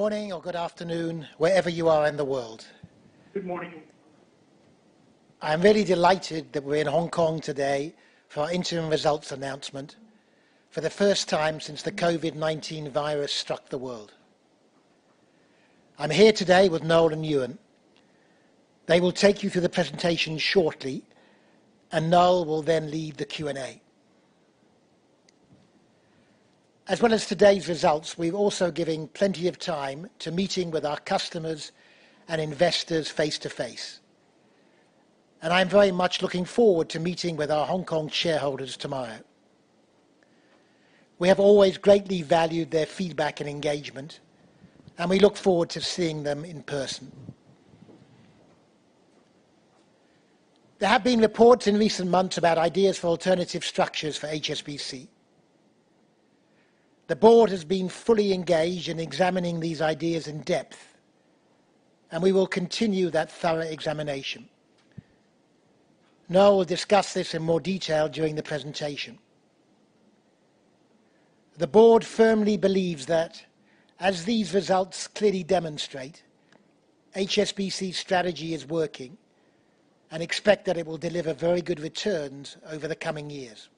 Morning or good afternoon, wherever you are in the world. Good morning. I am very delighted that we're in Hong Kong today for our interim results announcement for the first time since the COVID-19 virus struck the world. I'm here today with Noel and Ewen. They will take you through the presentation shortly, and Noel will then lead the Q&A. As well as today's results, we're also giving plenty of time to meeting with our customers and investors face to face. I'm very much looking forward to meeting with our Hong Kong shareholders tomorrow. We have always greatly valued their feedback and engagement, and we look forward to seeing them in person. There have been reports in recent months about ideas for alternative structures for HSBC. The board has been fully engaged in examining these ideas in depth, and we will continue that thorough examination. Noel will discuss this in more detail during the presentation. The board firmly believes that, as these results clearly demonstrate, HSBC's strategy is working and expect that it will deliver very good returns over the coming years.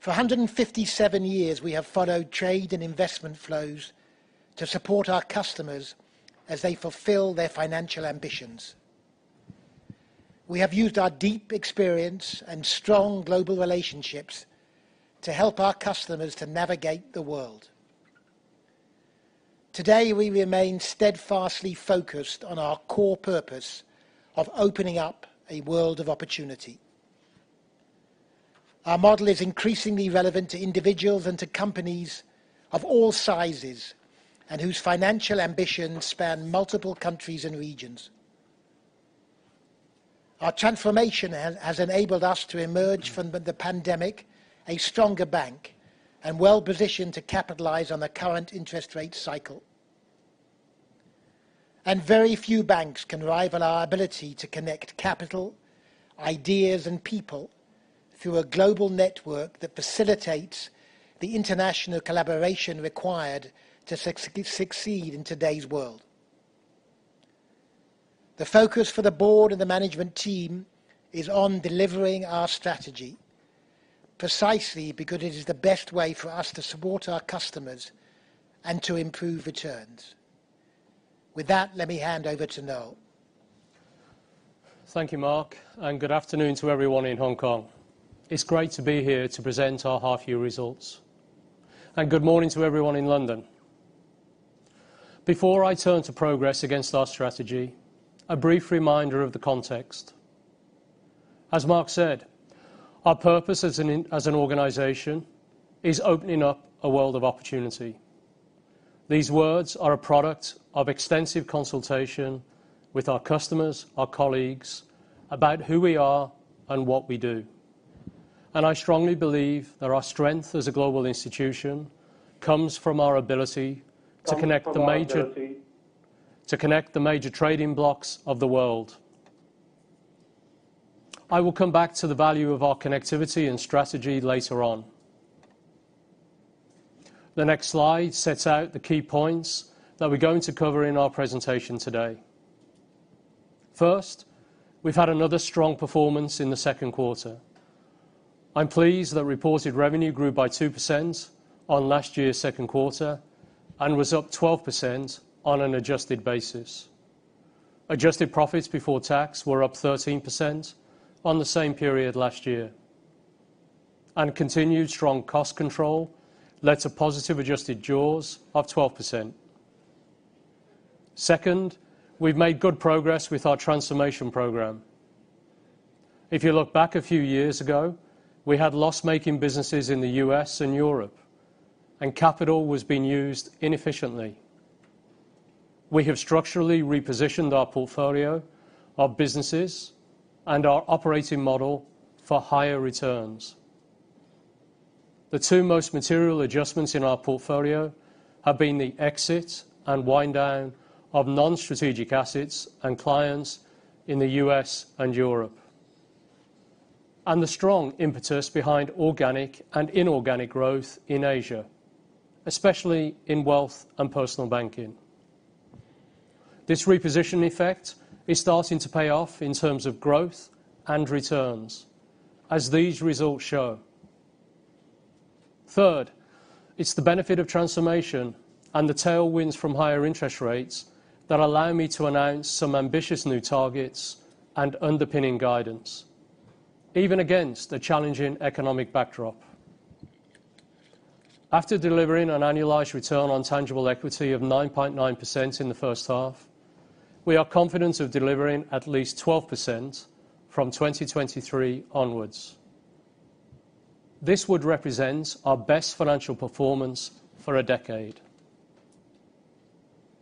For 157 years, we have followed trade and investment flows to support our customers as they fulfill their financial ambitions. We have used our deep experience and strong global relationships to help our customers to navigate the world. Today, we remain steadfastly focused on our core purpose of opening up a world of opportunity. Our model is increasingly relevant to individuals and to companies of all sizes, and whose financial ambitions span multiple countries and regions. Our transformation has enabled us to emerge from the pandemic a stronger bank and well-positioned to capitalize on the current interest rate cycle. Very few banks can rival our ability to connect capital, ideas, and people through a global network that facilitates the international collaboration required to succeed in today's world. The focus for the board and the management team is on delivering our strategy, precisely because it is the best way for us to support our customers and to improve returns. With that, let me hand over to Noel. Thank you, Mark, and good afternoon to everyone in Hong Kong. It's great to be here to present our half year results. Good morning to everyone in London. Before I turn to progress against our strategy, a brief reminder of the context. As Mark said, our purpose as an organization is opening up a world of opportunity. These words are a product of extensive consultation with our customers, our colleagues, about who we are and what we do. I strongly believe that our strength as a global institution comes from our ability to connect the major trading blocks of the world. I will come back to the value of our connectivity and strategy later on. The next slide sets out the key points that we're going to cover in our presentation today. First, we've had another strong performance in the second quarter. I'm pleased that reported revenue grew by 2% on last year's second quarter and was up 12% on an adjusted basis. Adjusted profits before tax were up 13% on the same period last year. Continued strong cost control led to positive adjusted jaws of 12%. Second, we've made good progress with our transformation program. If you look back a few years ago, we had loss-making businesses in the U.S. and Europe, and capital was being used inefficiently. We have structurally repositioned our portfolio, our businesses, and our operating model for higher returns. The two most material adjustments in our portfolio have been the exit and wind down of non-strategic assets and clients in the U.S. and Europe. The strong impetus behind organic and inorganic growth in Asia, especially in Wealth and Personal Banking. This reposition effect is starting to pay off in terms of growth and returns, as these results show. Third, it's the benefit of transformation and the tailwinds from higher interest rates that allow me to announce some ambitious new targets and underpinning guidance, even against a challenging economic backdrop. After delivering an annualized Return on Tangible Equity of 9.9% in the first half, we are confident of delivering at least 12% from 2023 onwards. This would represent our best financial performance for a decade.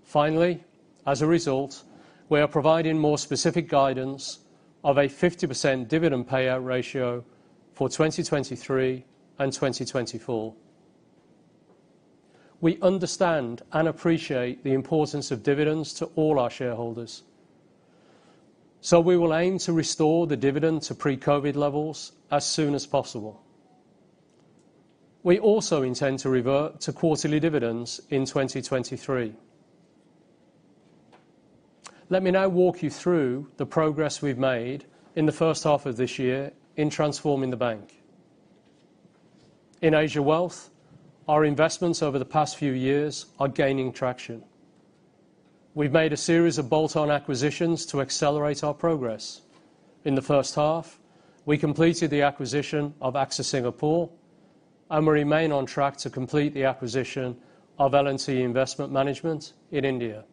Finally, as a result, we are providing more specific guidance of a 50% dividend payout ratio for 2023 and 2024. We understand and appreciate the importance of dividends to all our shareholders. We will aim to restore the dividend to pre-COVID-19 levels as soon as possible. We also intend to revert to quarterly dividends in 2023. Let me now walk you through the progress we've made in the first half of this year in transforming the bank. In Asia Wealth, our investments over the past few years are gaining traction. We've made a series of bolt-on acquisitions to accelerate our progress. In the first half, we completed the acquisition of AXA Singapore, and we remain on track to complete the acquisition of L&T Investment Management Limited in India.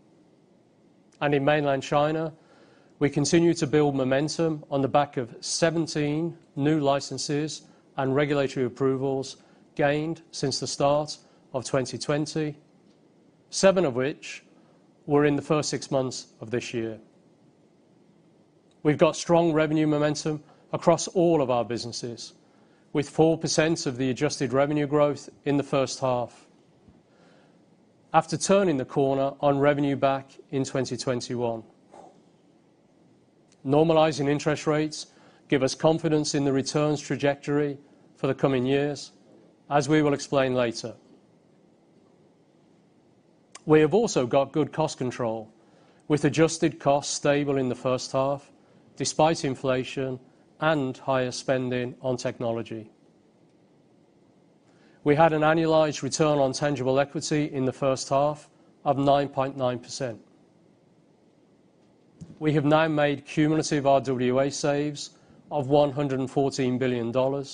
In mainland China, we continue to build momentum on the back of 17 new licenses and regulatory approvals gained since the start of 2020, seven of which were in the first six months of this year. We've got strong revenue momentum across all of our businesses, with 4% of the adjusted revenue growth in the first half. After turning the corner on revenue back in 2021. Normalizing interest rates give us confidence in the returns trajectory for the coming years, as we will explain later. We have also got good cost control, with adjusted costs stable in the first half, despite inflation and higher spending on technology. We had an annualized return on tangible equity in the first half of 9.9%. We have now made cumulative RWA saves of $114 billion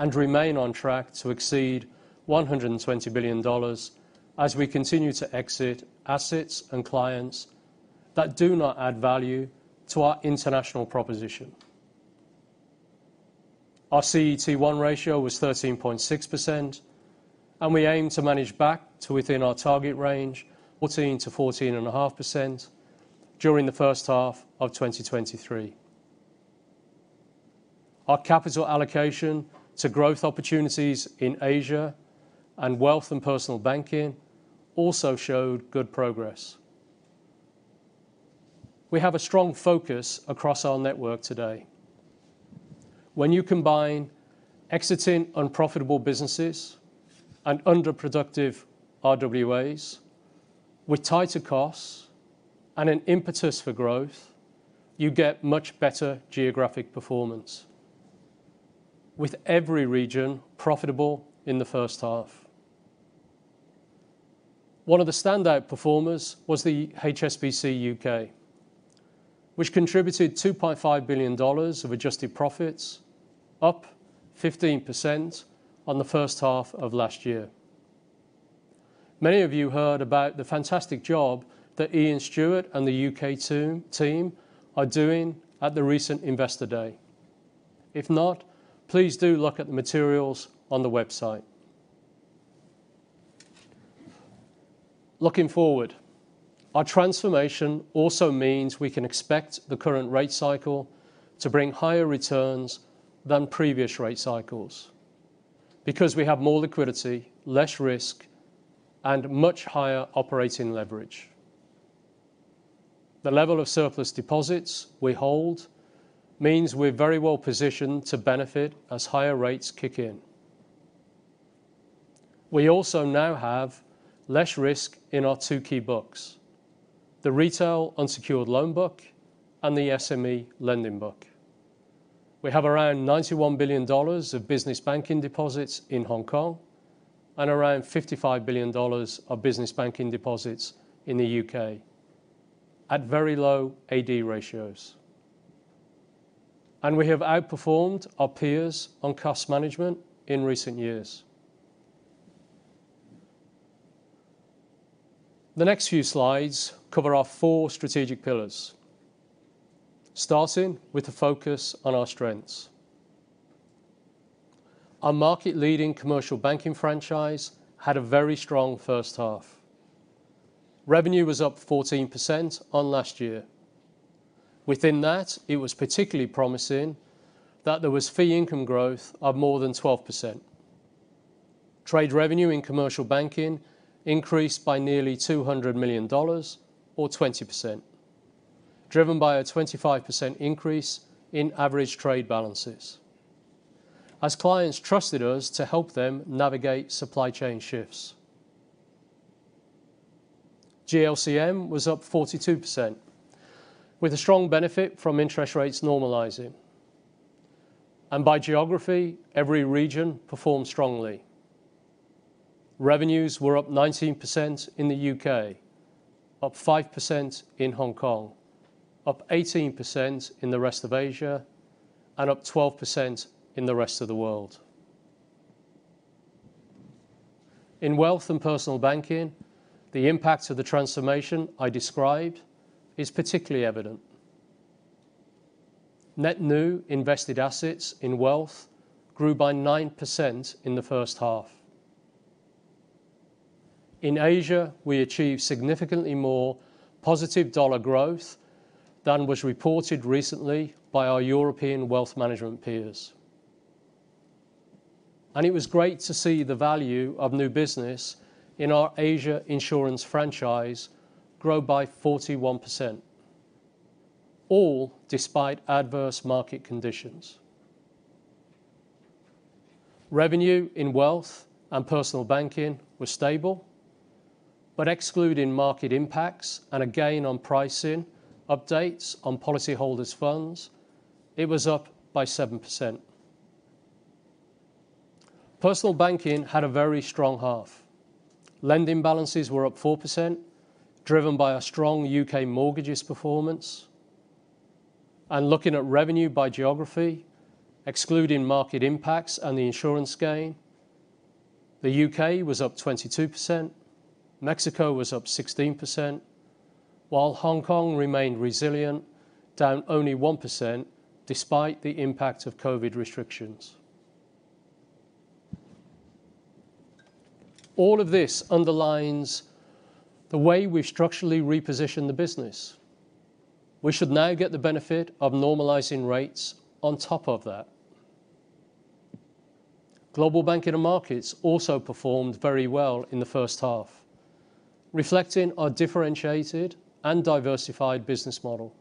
and remain on track to exceed $120 billion as we continue to exit assets and clients that do not add value to our international proposition. Our CET1 ratio was 13.6%, and we aim to manage back to within our target range, 14%-14.5% during the first half of 2023. Our capital allocation to growth opportunities in Asia and wealth and personal banking also showed good progress. We have a strong focus across our network today. When you combine exiting unprofitable businesses and underproductive RWAs with tighter costs and an impetus for growth, you get much better geographic performance with every region profitable in the first half. One of the standout performers was the HSBC U.K., which contributed $2.5 billion of adjusted profits, up 15% on the first half of last year. Many of you heard about the fantastic job that Ian Stuart and the U.K. team are doing at the recent Investor Day. If not, please do look at the materials on the website. Looking forward, our transformation also means we can expect the current rate cycle to bring higher returns than previous rate cycles because we have more liquidity, less risk, and much higher operating leverage. The level of surplus deposits we hold means we're very well positioned to benefit as higher rates kick in. We also now have less risk in our two key books, the retail unsecured loan book and the SME lending book. We have around $91 billion of business banking deposits in Hong Kong and around $55 billion of business banking deposits in the U.K. at very low L/D ratios. We have outperformed our peers on cost management in recent years. The next few slides cover our four strategic pillars, starting with the focus on our strengths. Our market-leading commercial banking franchise had a very strong first half. Revenue was up 14% on last year. Within that, it was particularly promising that there was fee income growth of more than 12%. Trade revenue in commercial banking increased by nearly $200 million or 20%, driven by a 25% increase in average trade balances as clients trusted us to help them navigate supply chain shifts. GLCM was up 42% with a strong benefit from interest rates normalizing. By geography, every region performed strongly. Revenues were up 19% in the U.K., up 5% in Hong Kong, up 18% in the rest of Asia, and up 12% in the rest of the world. In wealth and personal banking, the impact of the transformation I described is particularly evident. Net new invested assets in Wealth grew by 9% in the first half. In Asia, we achieved significantly more positive dollar growth than was reported recently by our European wealth management peers. It was great to see the value of new business in our Asia insurance franchise grow by 41%, all despite adverse market conditions. Revenue in wealth and personal banking was stable, but excluding market impacts and a gain on pricing updates on policyholders' funds, it was up by 7%. Personal banking had a very strong half. Lending balances were up 4%, driven by a strong U.K. mortgages performance. Looking at revenue by geography, excluding market impacts and the insurance gain, the U.K. was up 22%, Mexico was up 16%, while Hong Kong remained resilient, down only 1% despite the impact of COVID restrictions. All of this underlines the way we structurally reposition the business. We should now get the benefit of normalizing rates on top of that. Global Banking and Markets also performed very well in the first half, reflecting our differentiated and diversified business model.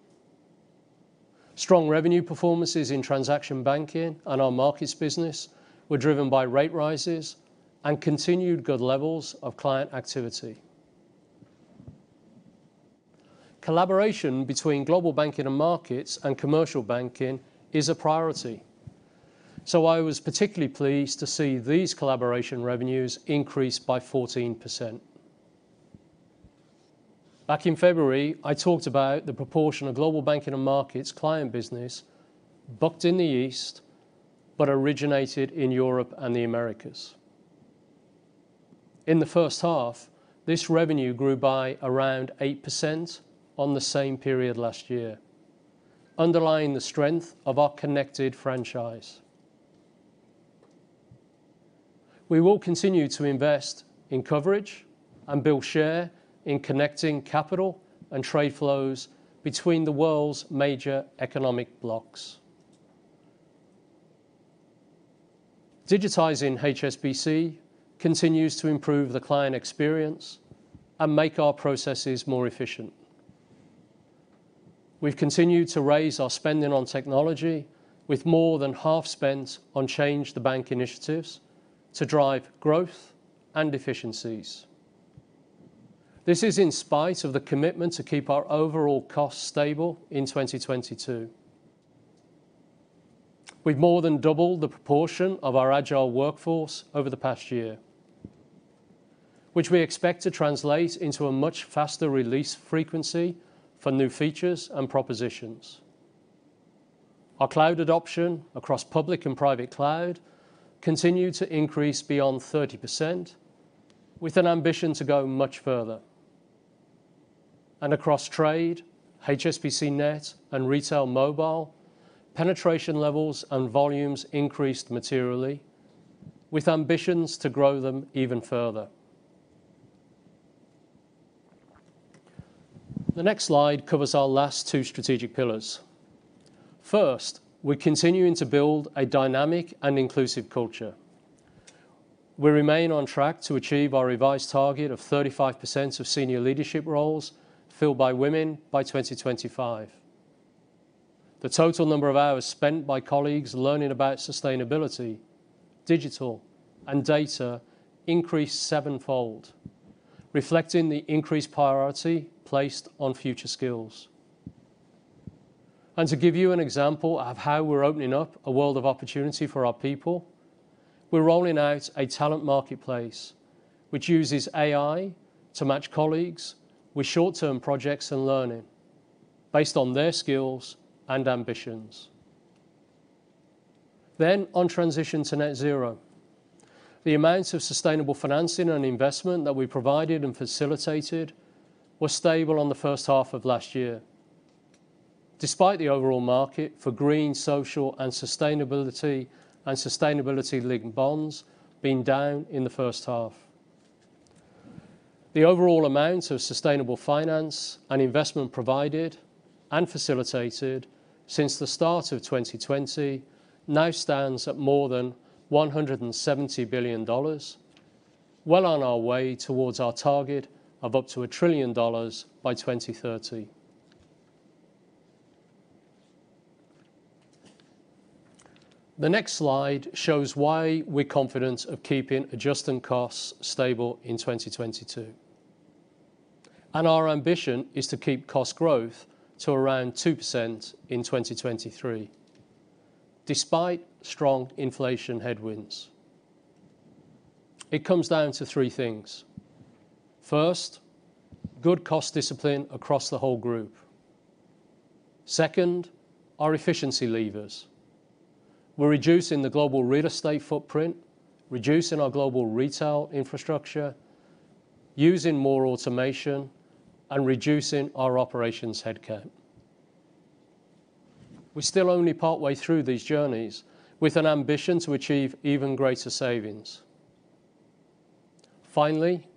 Strong revenue performances in transaction banking and our Markets business were driven by rate rises and continued good levels of client activity. Collaboration between global banking and markets and commercial banking is a priority. I was particularly pleased to see these collaboration revenues increase by 14%. Back in February, I talked about the proportion of Global Banking and Markets client business booked in the East but originated in Europe and the Americas. In the first half, this revenue grew by around 8% on the same period last year, underlining the strength of our connected franchise. We will continue to invest in coverage and build share in connecting capital and trade flows between the world's major economic blocks. Digitizing HSBC continues to improve the client experience and make our processes more efficient. We've continued to raise our spending on technology with more than half spent on Change the Bank initiatives to drive growth and efficiencies. This is in spite of the commitment to keep our overall costs stable in 2022. We've more than doubled the proportion of our agile workforce over the past year, which we expect to translate into a much faster release frequency for new features and propositions. Our cloud adoption across public and private cloud continue to increase beyond 30% with an ambition to go much further. Across trade, HSBCnet, and Retail Mobile Banking, penetration levels and volumes increased materially with ambitions to grow them even further. The next slide covers our last two strategic pillars. First, we're continuing to build a dynamic and inclusive culture. We remain on track to achieve our revised target of 35% of senior leadership roles filled by women by 2025. The total number of hours spent by colleagues learning about sustainability, digital, and data increased sevenfold, reflecting the increased priority placed on future skills. To give you an example of how we're opening up a world of opportunity for our people, we're rolling out a talent marketplace which uses AI to match colleagues with short-term projects and learning based on their skills and ambitions. On transition to net zero, the amounts of sustainable financing and investment that we provided and facilitated were stable in the first half of last year, despite the overall market for green, social, and sustainability-linked bonds being down in the first half. The overall amount of sustainable finance and investment provided and facilitated since the start of 2020 now stands at more than $170 billion, well on our way towards our target of up to $1 trillion by 2030. The next slide shows why we're confident of keeping adjusted costs stable in 2022. Our ambition is to keep cost growth to around 2% in 2023 despite strong inflation headwinds. It comes down to three things. First, good cost discipline across the whole group. Second, our efficiency levers. We're reducing the global real estate footprint, reducing our global retail infrastructure, using more automation, and reducing our operations headcount. We're still only partway through these journeys with an ambition to achieve even greater savings. Finally,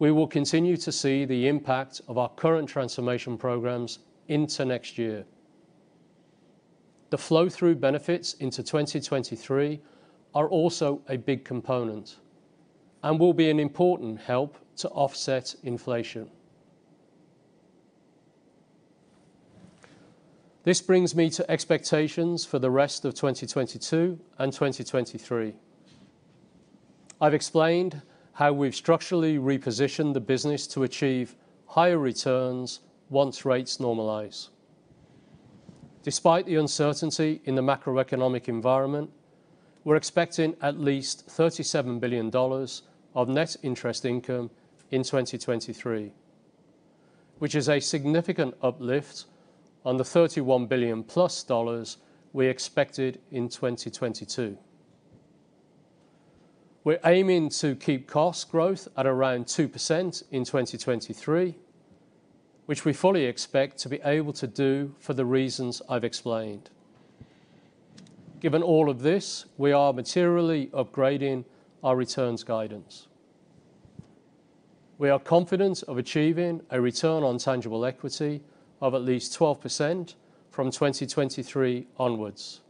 we will continue to see the impact of our current transformation programs into next year. The flow through benefits into 2023 are also a big component and will be an important help to offset inflation. This brings me to expectations for the rest of 2022 and 2023. I've explained how we've structurally repositioned the business to achieve higher returns once rates normalize. Despite the uncertainty in the macroeconomic environment, we're expecting at least $37 billion of net interest income in 2023, which is a significant uplift on the $31 billion+ we expected in 2022. We're aiming to keep cost growth at around 2% in 2023, which we fully expect to be able to do for the reasons I've explained. Given all of this, we are materially upgrading our returns guidance. We are confident of achieving a return on tangible equity of at least 12% from 2023 onwards.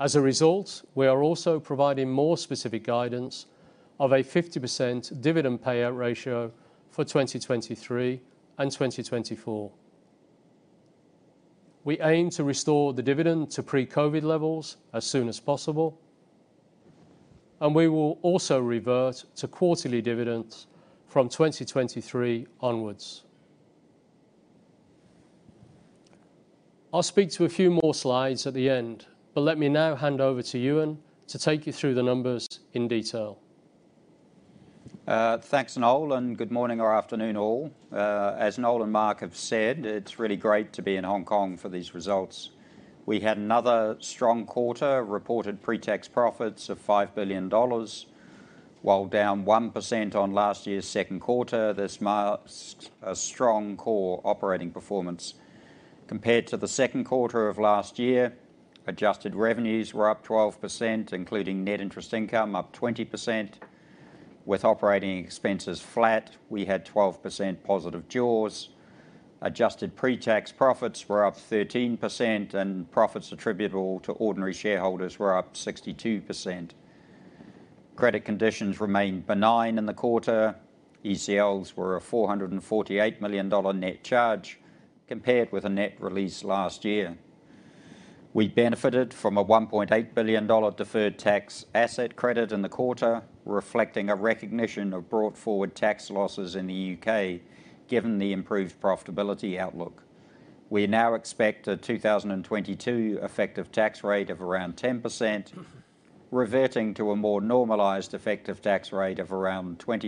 As a result, we are also providing more specific guidance of a 50% dividend payout ratio for 2023 and 2024. We aim to restore the dividend to pre-COVID levels as soon as possible, and we will also revert to quarterly dividends from 2023 onwards. I'll speak to a few more slides at the end, but let me now hand over to Ewen to take you through the numbers in detail. Thanks, Noel, and good morning or afternoon all. As Noel and Mark have said, it's really great to be in Hong Kong for these results. We had another strong quarter, reported pre-tax profits of $5 billion. While down 1% on last year's second quarter, this marks a strong core operating performance. Compared to the second quarter of last year, adjusted revenues were up 12%, including net interest income up 20%. With operating expenses flat, we had 12% positive jaws. Adjusted pre-tax profits were up 13%, and profits attributable to ordinary shareholders were up 62%. Credit conditions remained benign in the quarter. ECLs were a $448 million net charge compared with the net release last year. We benefited from a $1.8 billion deferred tax asset credit in the quarter, reflecting a recognition of brought forward tax losses in the U.K., given the improved profitability outlook. We now expect a 2022 effective tax rate of around 10%, reverting to a more normalized effective tax rate of around 20%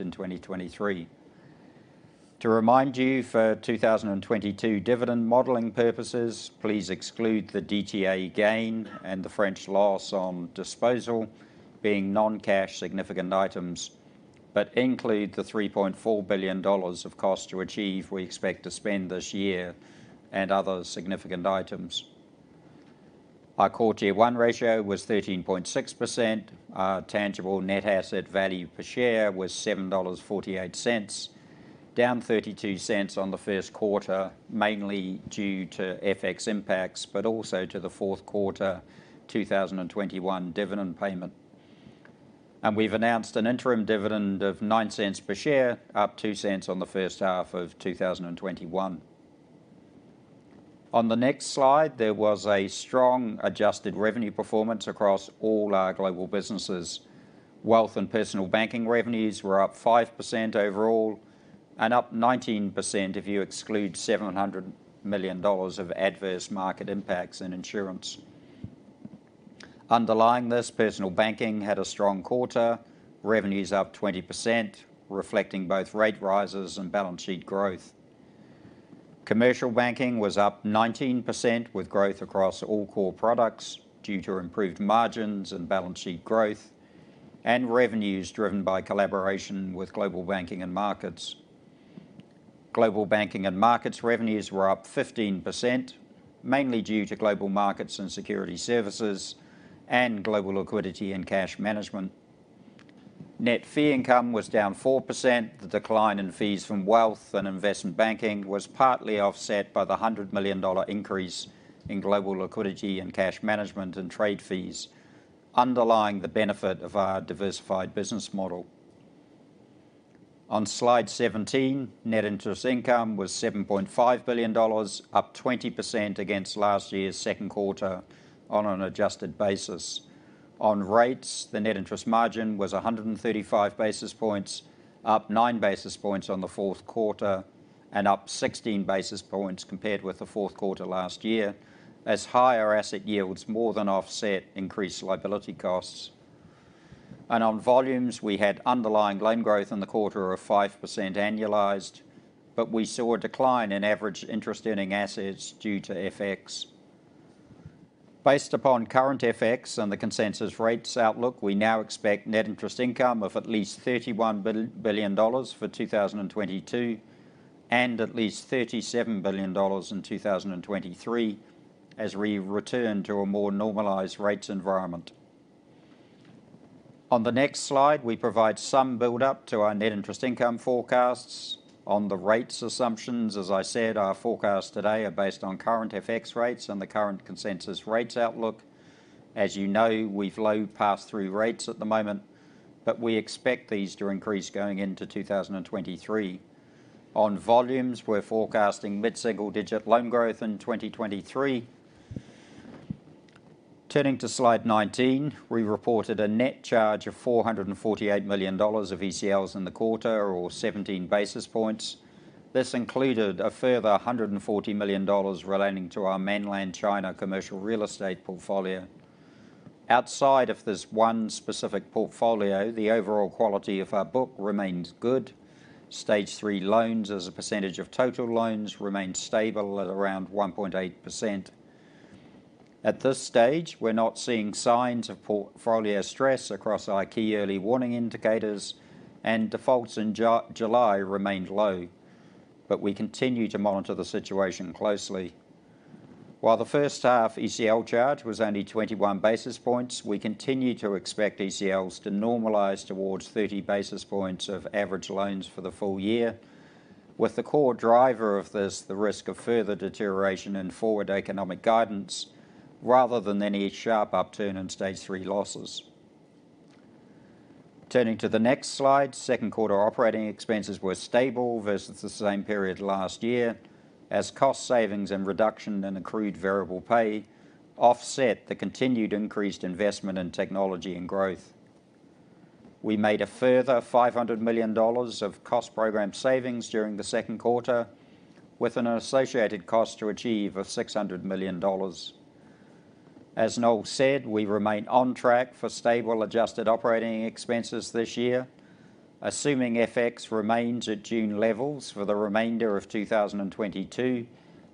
in 2023. To remind you, for 2022 dividend modeling purposes, please exclude the DTA gain and the French loss on disposal, being non-cash significant items, but include the $3.4 billion of cost to achieve we expect to spend this year and other significant items. Our Core Tier 1 ratio was 13.6%. Our tangible net asset value per share was $7.48, down $0.32 on the first quarter, mainly due to FX impacts, but also to the fourth quarter 2021 dividend payment. We've announced an interim dividend of $0.09 per share, up $0.02 on the first half of 2021. On the next slide, there was a strong adjusted revenue performance across all our global businesses. Wealth and Personal Banking revenues were up 5% overall and up 19% if you exclude $700 million of adverse market impacts and insurance. Underlying this, Personal Banking had a strong quarter. Revenues up 20%, reflecting both rate rises and balance sheet growth. Commercial banking was up 19% with growth across all core products due to improved margins and balance sheet growth, and revenues driven by collaboration with Global Banking and Markets. Global Banking and Markets revenues were up 15%, mainly due to Global Markets and Securities Services and Global Liquidity and Cash Management. Net fee income was down 4%. The decline in fees from wealth and investment banking was partly offset by the $100 million increase in Global Liquidity and Cash Management and trade fees underlying the benefit of our diversified business model. On slide 17, net interest income was $7.5 billion, up 20% against last year's second quarter on an adjusted basis. On rates, the net interest margin was 135 basis points, up 9 basis points on the fourth quarter and up 16 basis points compared with the fourth quarter last year, as higher asset yields more than offset increased liability costs. On volumes, we had underlying loan growth in the quarter of 5% annualized, but we saw a decline in average interest earning assets due to FX. Based upon current FX and the consensus rates outlook, we now expect net interest income of at least $31 billion for 2022. At least $37 billion in 2023 as we return to a more normalized rates environment. On the next slide, we provide some build up to our net interest income forecasts. On the rates assumptions, as I said, our forecasts today are based on current FX rates and the current consensus rates outlook. As you know, we've low pass-through rates at the moment, but we expect these to increase going into 2023. On volumes, we're forecasting mid-single digit loan growth in 2023. Turning to slide 19, we reported a net charge of $448 million of ECLs in the quarter, or 17 basis points. This included a further $140 million relating to our Mainland China commercial real estate portfolio. Outside of this one specific portfolio, the overall quality of our book remains good. Stage three loans as a percentage of total loans remain stable at around 1.8%. At this stage, we're not seeing signs of portfolio stress across our key early warning indicators and defaults in July remained low, but we continue to monitor the situation closely. While the first half ECL charge was only 21 basis points, we continue to expect ECLs to normalize towards 30 basis points of average loans for the full year. With the core driver of this, the risk of further deterioration in forward economic guidance rather than any sharp upturn in stage three losses. Turning to the next slide, second quarter operating expenses were stable versus the same period last year, as cost savings and reduction in accrued variable pay offset the continued increased investment in technology and growth. We made a further $500 million of cost program savings during the second quarter, with an associated cost to achieve of $600 million. As Noel said, we remain on track for stable adjusted operating expenses this year. Assuming FX remains at June levels for the remainder of 2022,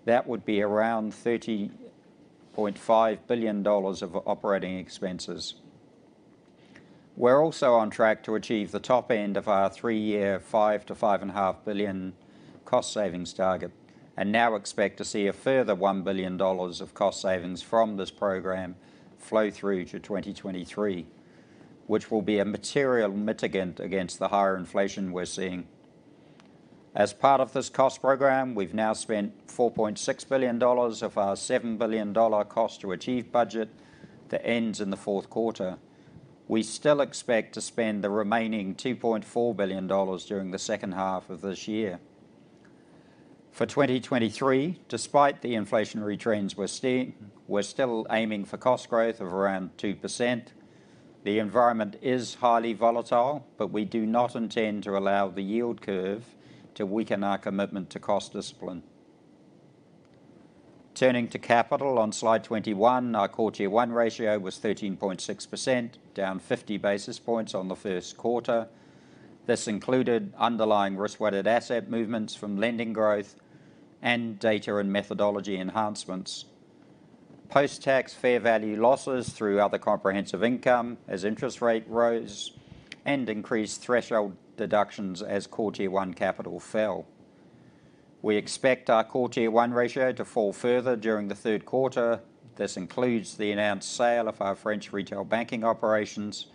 that would be around $30.5 billion of operating expenses. We're also on track to achieve the top end of our three-year $5-$5.5 billion cost savings target, and now expect to see a further $1 billion of cost savings from this program flow through to 2023, which will be a material mitigant against the higher inflation we're seeing. As part of this cost program, we've now spent $4.6 billion of our $7 billion cost to achieve budget that ends in the fourth quarter. We still expect to spend the remaining $2.4 billion during the second half of this year. For 2023, despite the inflationary trends we're seeing, we're still aiming for cost growth of around 2%. The environment is highly volatile, but we do not intend to allow the yield curve to weaken our commitment to cost discipline. Turning to capital on slide 21, our quarter one ratio was 13.6%, down 50 basis points on the first quarter. This included underlying risk-weighted asset movements from lending growth and data and methodology enhancements. Post-tax fair value losses through other comprehensive income as interest rate rose and increased threshold deductions as quarter one capital fell. We expect our quarter one ratio to fall further during the third quarter. This includes the announced sale of our French retail banking operations,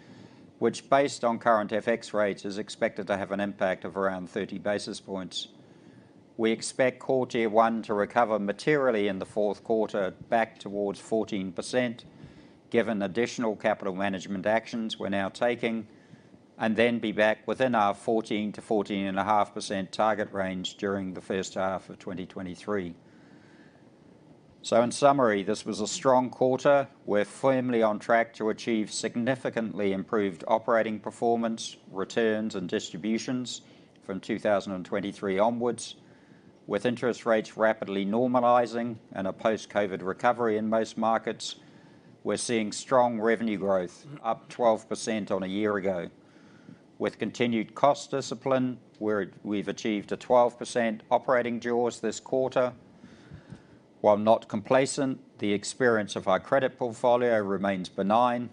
which based on current FX rates, is expected to have an impact of around 30 basis points. We expect quarter one to recover materially in the fourth quarter back towards 14%, given additional capital management actions we're now taking, and then be back within our 14%-14.5% target range during the first half of 2023. In summary, this was a strong quarter. We're firmly on track to achieve significantly improved operating performance, returns, and distributions from 2023 onwards. With interest rates rapidly normalizing and a post-COVID recovery in most markets, we're seeing strong revenue growth, up 12% on a year ago. With continued cost discipline, we've achieved a 12% operating jaws this quarter. While not complacent, the exposure of our credit portfolio remains benign.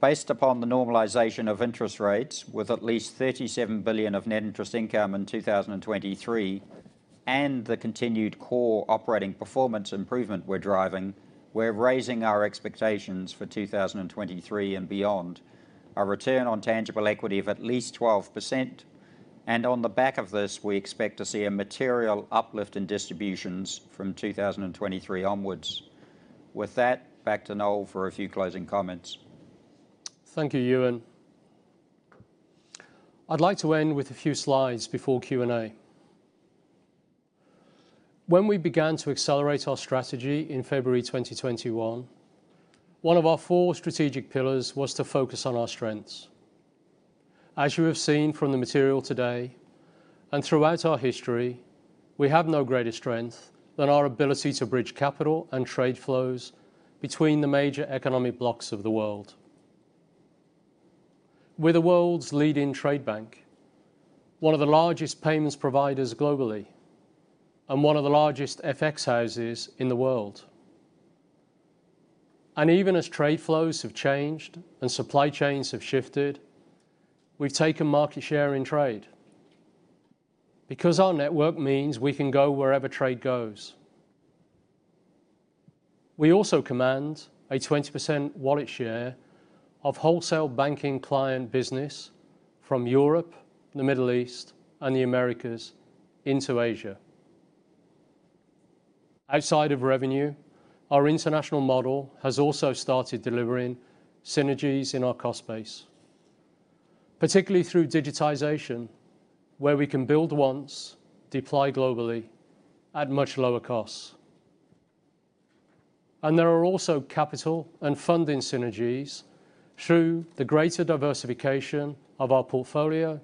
Based upon the normalization of interest rates, with at least $37 billion of net interest income in 2023 and the continued core operating performance improvement we're driving, we're raising our expectations for 2023 and beyond. Our Return on Tangible Equity of at least 12%. On the back of this, we expect to see a material uplift in distributions from 2023 onwards. With that, back to Noel for a few closing comments. Thank you, Ewen. I'd like to end with a few slides before Q&A. When we began to accelerate our strategy in February 2021, one of our four strategic pillars was to focus on our strengths. As you have seen from the material today, and throughout our history, we have no greater strength than our ability to bridge capital and trade flows between the major economic blocks of the world. We're the world's leading trade bank, one of the largest payments providers globally, and one of the largest FX houses in the world. Even as trade flows have changed and supply chains have shifted, we've taken market share in trade because our network means we can go wherever trade goes. We also command a 20% wallet share of wholesale banking client business from Europe, the Middle East, and the Americas into Asia. Outside of revenue, our international model has also started delivering synergies in our cost base, particularly through digitization, where we can build once, deploy globally at much lower costs. There are also capital and funding synergies through the greater diversification of our portfolio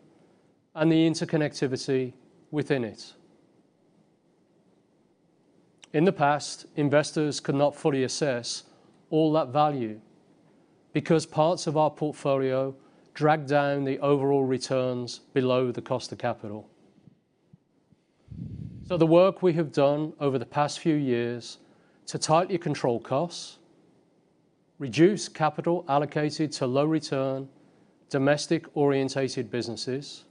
and the interconnectivity within it. In the past, investors could not fully assess all that value because parts of our portfolio dragged down the overall returns below the cost of capital. The work we have done over the past few years to tightly control costs, reduce capital allocated to low return domestic-orientated businesses,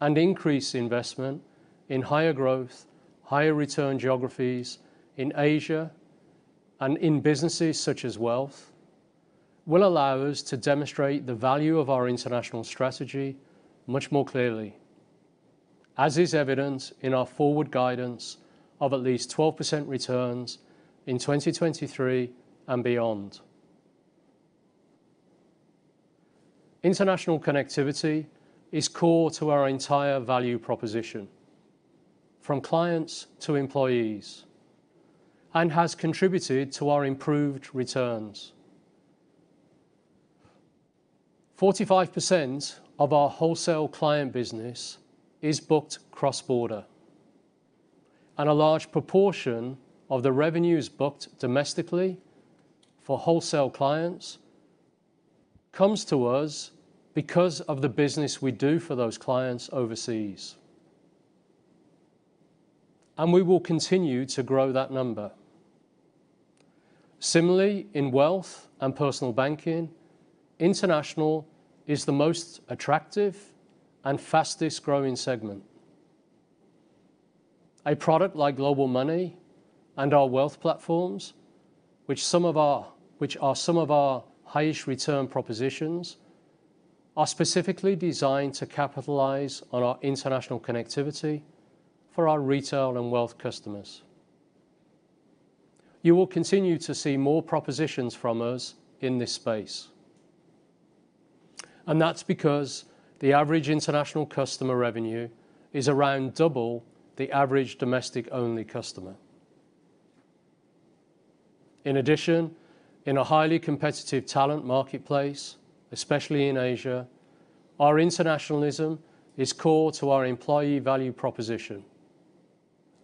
and increase investment in higher growth, higher return geographies in Asia and in businesses such as wealth, will allow us to demonstrate the value of our international strategy much more clearly, as is evident in our forward guidance of at least 12% returns in 2023 and beyond. International connectivity is core to our entire value proposition, from clients to employees, and has contributed to our improved returns. 45% of our wholesale client business is booked cross-border, and a large proportion of the revenues booked domestically for wholesale clients comes to us because of the business we do for those clients overseas. We will continue to grow that number. Similarly, in Wealth and Personal Banking, international is the most attractive and fastest-growing segment. A product like Global Money and our wealth platforms, which are some of our highest return propositions, are specifically designed to capitalize on our international connectivity for our retail and wealth customers. You will continue to see more propositions from us in this space, and that's because the average international customer revenue is around double the average domestic only customer. In addition, in a highly competitive talent marketplace, especially in Asia, our internationalism is core to our employee value proposition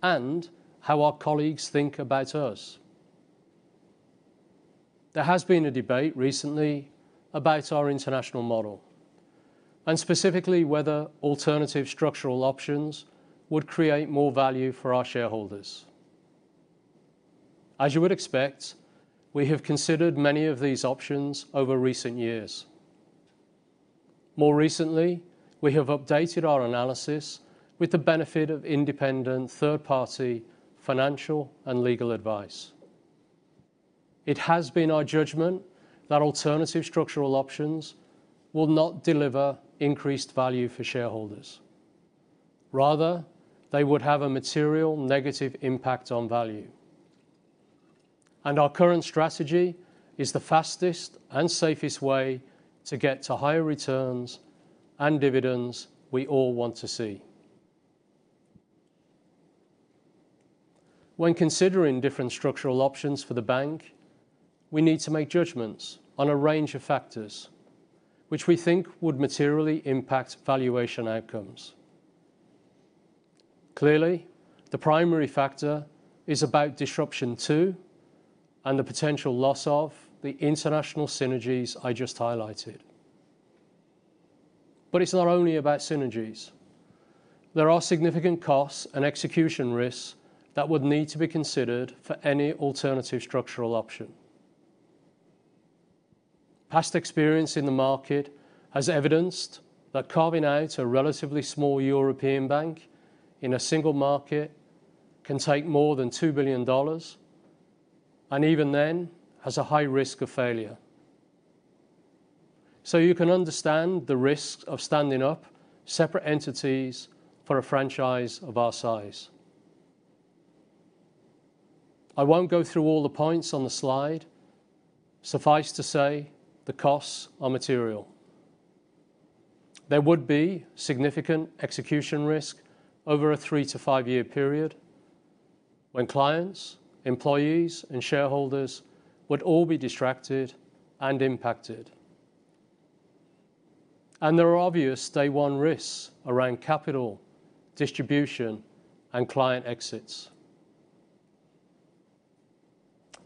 and how our colleagues think about us. There has been a debate recently about our international model, and specifically whether alternative structural options would create more value for our shareholders. As you would expect, we have considered many of these options over recent years. More recently, we have updated our analysis with the benefit of independent third-party financial and legal advice. It has been our judgment that alternative structural options will not deliver increased value for shareholders. Rather, they would have a material negative impact on value. Our current strategy is the fastest and safest way to get to higher returns and dividends we all want to see. When considering different structural options for the bank, we need to make judgments on a range of factors which we think would materially impact valuation outcomes. Clearly, the primary factor is about disruption to, and the potential loss of, the international synergies I just highlighted. It's not only about synergies. There are significant costs and execution risks that would need to be considered for any alternative structural option. Past experience in the market has evidenced that carving out a relatively small European bank in a single market can take more than $2 billion and even then has a high risk of failure. You can understand the risks of standing up separate entities for a franchise of our size. I won't go through all the points on the slide. Suffice to say, the costs are material. There would be significant execution risk over a three to five year period when clients, employees, and shareholders would all be distracted and impacted. There are obvious day one risks around capital, distribution, and client exits.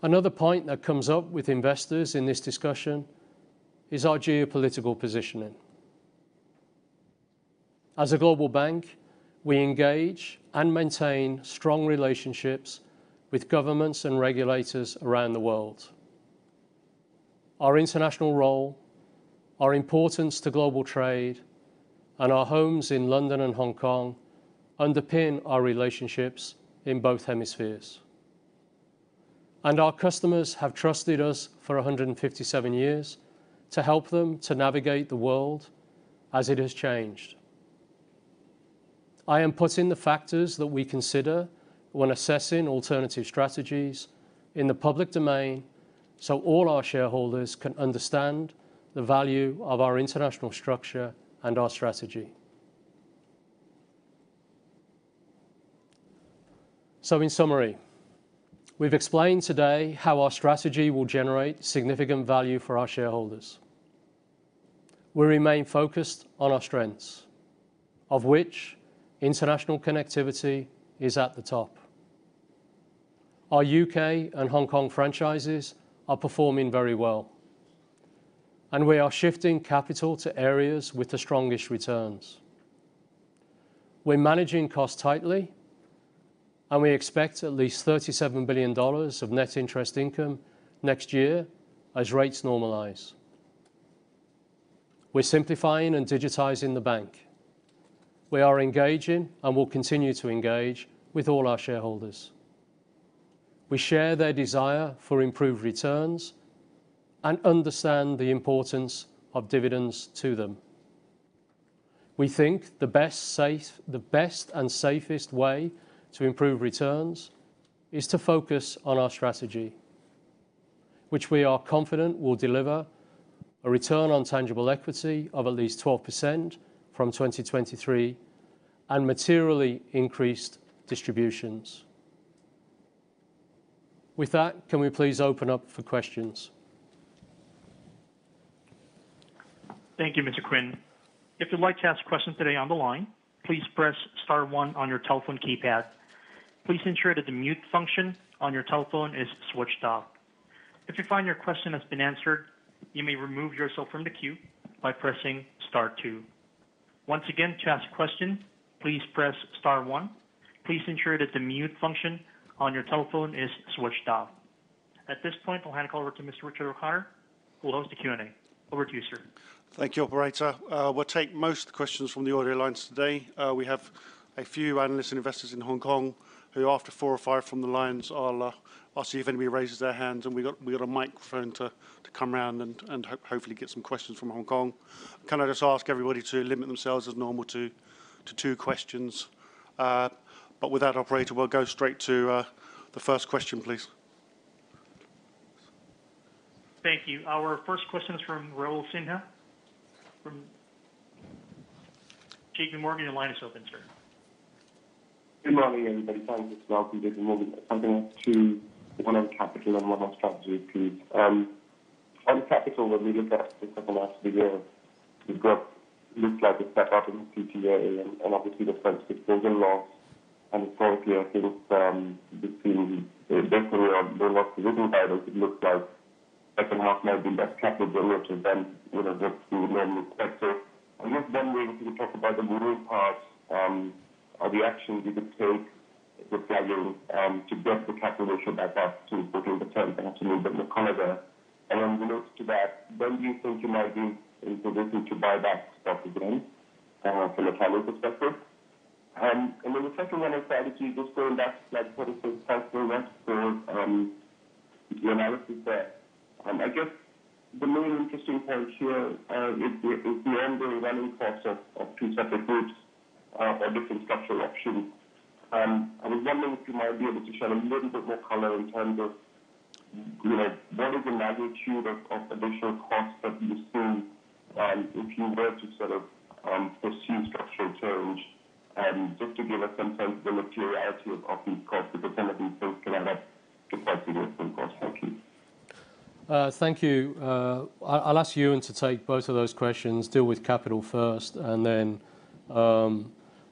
Another point that comes up with investors in this discussion is our geopolitical positioning. As a global bank, we engage and maintain strong relationships with governments and regulators around the world. Our international role, our importance to global trade, and our homes in London and Hong Kong underpin our relationships in both hemispheres. Our customers have trusted us for 157 years to help them to navigate the world as it has changed. I am putting the factors that we consider when assessing alternative strategies in the public domain, so all our shareholders can understand the value of our international structure and our strategy. In summary, we've explained today how our strategy will generate significant value for our shareholders. We remain focused on our strengths, of which international connectivity is at the top. Our U.K. and Hong Kong franchises are performing very well, and we are shifting capital to areas with the strongest returns. We're managing costs tightly, and we expect at least $37 billion of net interest income next year as rates normalize. We're simplifying and digitizing the bank. We are engaging and will continue to engage with all our shareholders. We share their desire for improved returns and understand the importance of dividends to them. We think the best and safest way to improve returns is to focus on our strategy, which we are confident will deliver a return on tangible equity of at least 12% from 2023 and materially increased distributions. With that, can we please open up for questions? Thank you, Mr. Quinn. If you'd like to ask a question today on the line, please press star one on your telephone keypad. Please ensure that the mute function on your telephone is switched off. If you find your question has been answered, you may remove yourself from the queue by pressing star two. Once again, to ask a question, please press star one. Please ensure that the mute function on your telephone is switched off. At this point, I'll hand the call over to Mr. Richard O'Connor, who will host the Q&A. Over to you, sir. Thank you, operator. We'll take most questions from the audio lines today. We have a few analysts and investors in Hong Kong who after four or five from the lines, I'll see if anybody raises their hands, and we got a microphone to come around and hopefully get some questions from Hong Kong. Can I just ask everybody to limit themselves as normal to two questions? With that operator, we'll go straight to the first question, please. Thank you. Our first question is from Raul Sinha from JPMorgan. Your line is open, sir. Good morning, everybody. Thank you. One on capital and one on strategy, please. On capital, the lending practices over the last few years, the growth looks like it's set up in PBT, and obviously the FX exchange and loss. Frankly, I think the loss driven by those, it looks like it cannot now be the capital ratio we normally expect. I guess we talk about the moving parts or the actions you could take regarding to get the calculation back up to 14%. I don't know if you can comment there. Related to that, when do you think you might be in position to buy back stock again from a capital perspective? The second one on strategy, just going back to like what you said so what for the analysis there. I guess the main interesting point here is the ongoing running costs of two separate groups or different structural options. I was wondering if you might be able to shed a little bit more color in terms of, you know, what is the magnitude of additional costs that you see if you were to sort of pursue structural change, just to give us some sense of the materiality of these costs, the percentage increase can add up to quite a bit in costs. Thank you. Thank you. I'll ask Ewen to take both of those questions, deal with capital first and then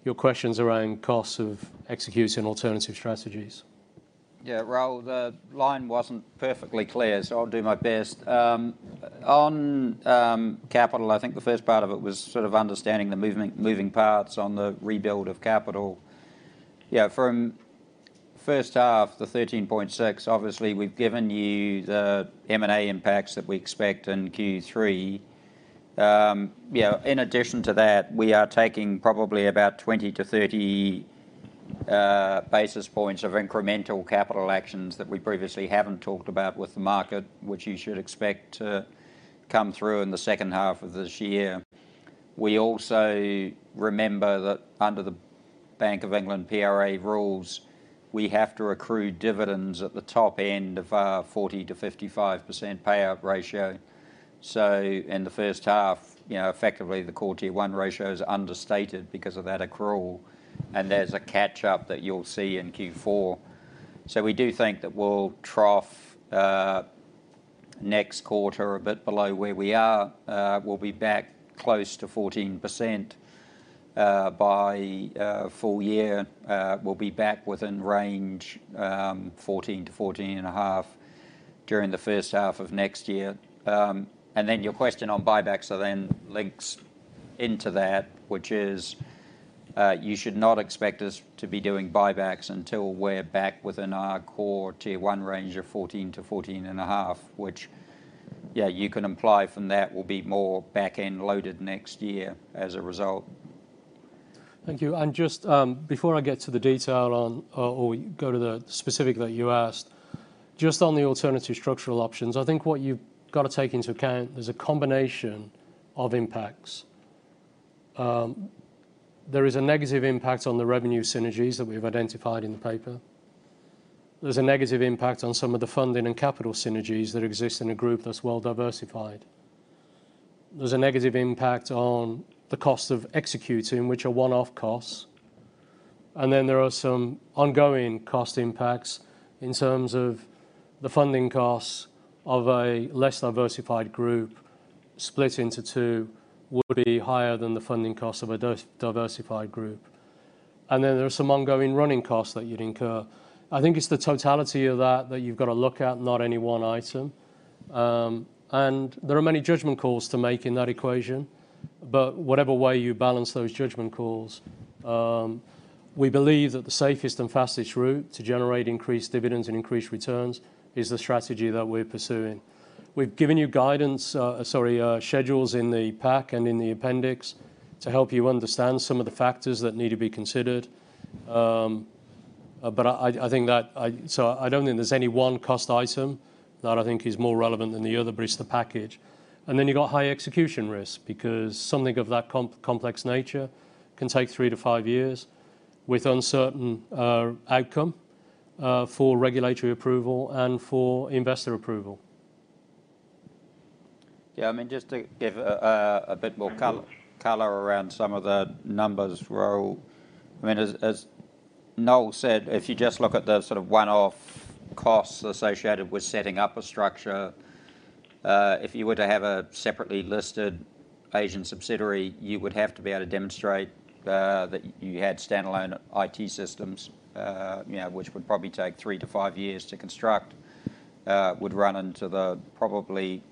your questions around costs of executing alternative strategies. Yeah. Raul, the line wasn't perfectly clear, so I'll do my best. On capital, I think the first part of it was sort of understanding the moving parts on the rebuild of capital. Yeah. From first half, the 13.6%, obviously, we've given you the M&A impacts that we expect in Q3. You know, in addition to that, we are taking probably about 20-30 basis points of incremental capital actions that we previously haven't talked about with the market, which you should expect to come through in the second half of this year. We also remember that under the Bank of England PRA rules, we have to accrue dividends at the top end of our 40%-55% payout ratio. In the first half, you know, effectively the Core Tier 1 ratio is understated because of that accrual, and there's a catch-up that you'll see in Q4. We do think that we'll trough next quarter a bit below where we are. We'll be back close to 14% by full year. We'll be back within range, 14%-14.5%, during the first half of next year. And then your question on buybacks then links into that, which is, you should not expect us to be doing buybacks until we're back within our Core Tier 1 range of 14%-14.5%, which, yeah, you can imply from that will be more back-end loaded next year as a result. Thank you. Just, before I get to the detail or go to the specific that you asked, just on the alternative structural options, I think what you've got to take into account is a combination of impacts. There is a negative impact on the revenue synergies that we've identified in the paper. There's a negative impact on some of the funding and capital synergies that exist in a group that's well diversified. There's a negative impact on the cost of executing, which are one-off costs. Then there are some ongoing cost impacts in terms of the funding costs of a less diversified group split into two would be higher than the funding cost of a diversified group. Then there are some ongoing running costs that you'd incur. I think it's the totality of that that you've got to look at, not any one item. There are many judgment calls to make in that equation. Whatever way you balance those judgment calls, we believe that the safest and fastest route to generate increased dividends and increased returns is the strategy that we're pursuing. We've given you guidance schedules in the pack and in the appendix to help you understand some of the factors that need to be considered. I think that I don't think there's any one cost item that I think is more relevant than the other, but it's the package. Then you've got high execution risk because something of that complex nature can take three to five years with uncertain outcome for regulatory approval and for investor approval. Yeah, I mean, just to give a bit more color around some of the numbers, Raul. I mean, as Noel said, if you just look at the sort of one-off costs associated with setting up a structure, if you were to have a separately listed Asian subsidiary, you would have to be able to demonstrate that you had standalone IT systems, you know, which would probably take three to five years to construct. Would run into probably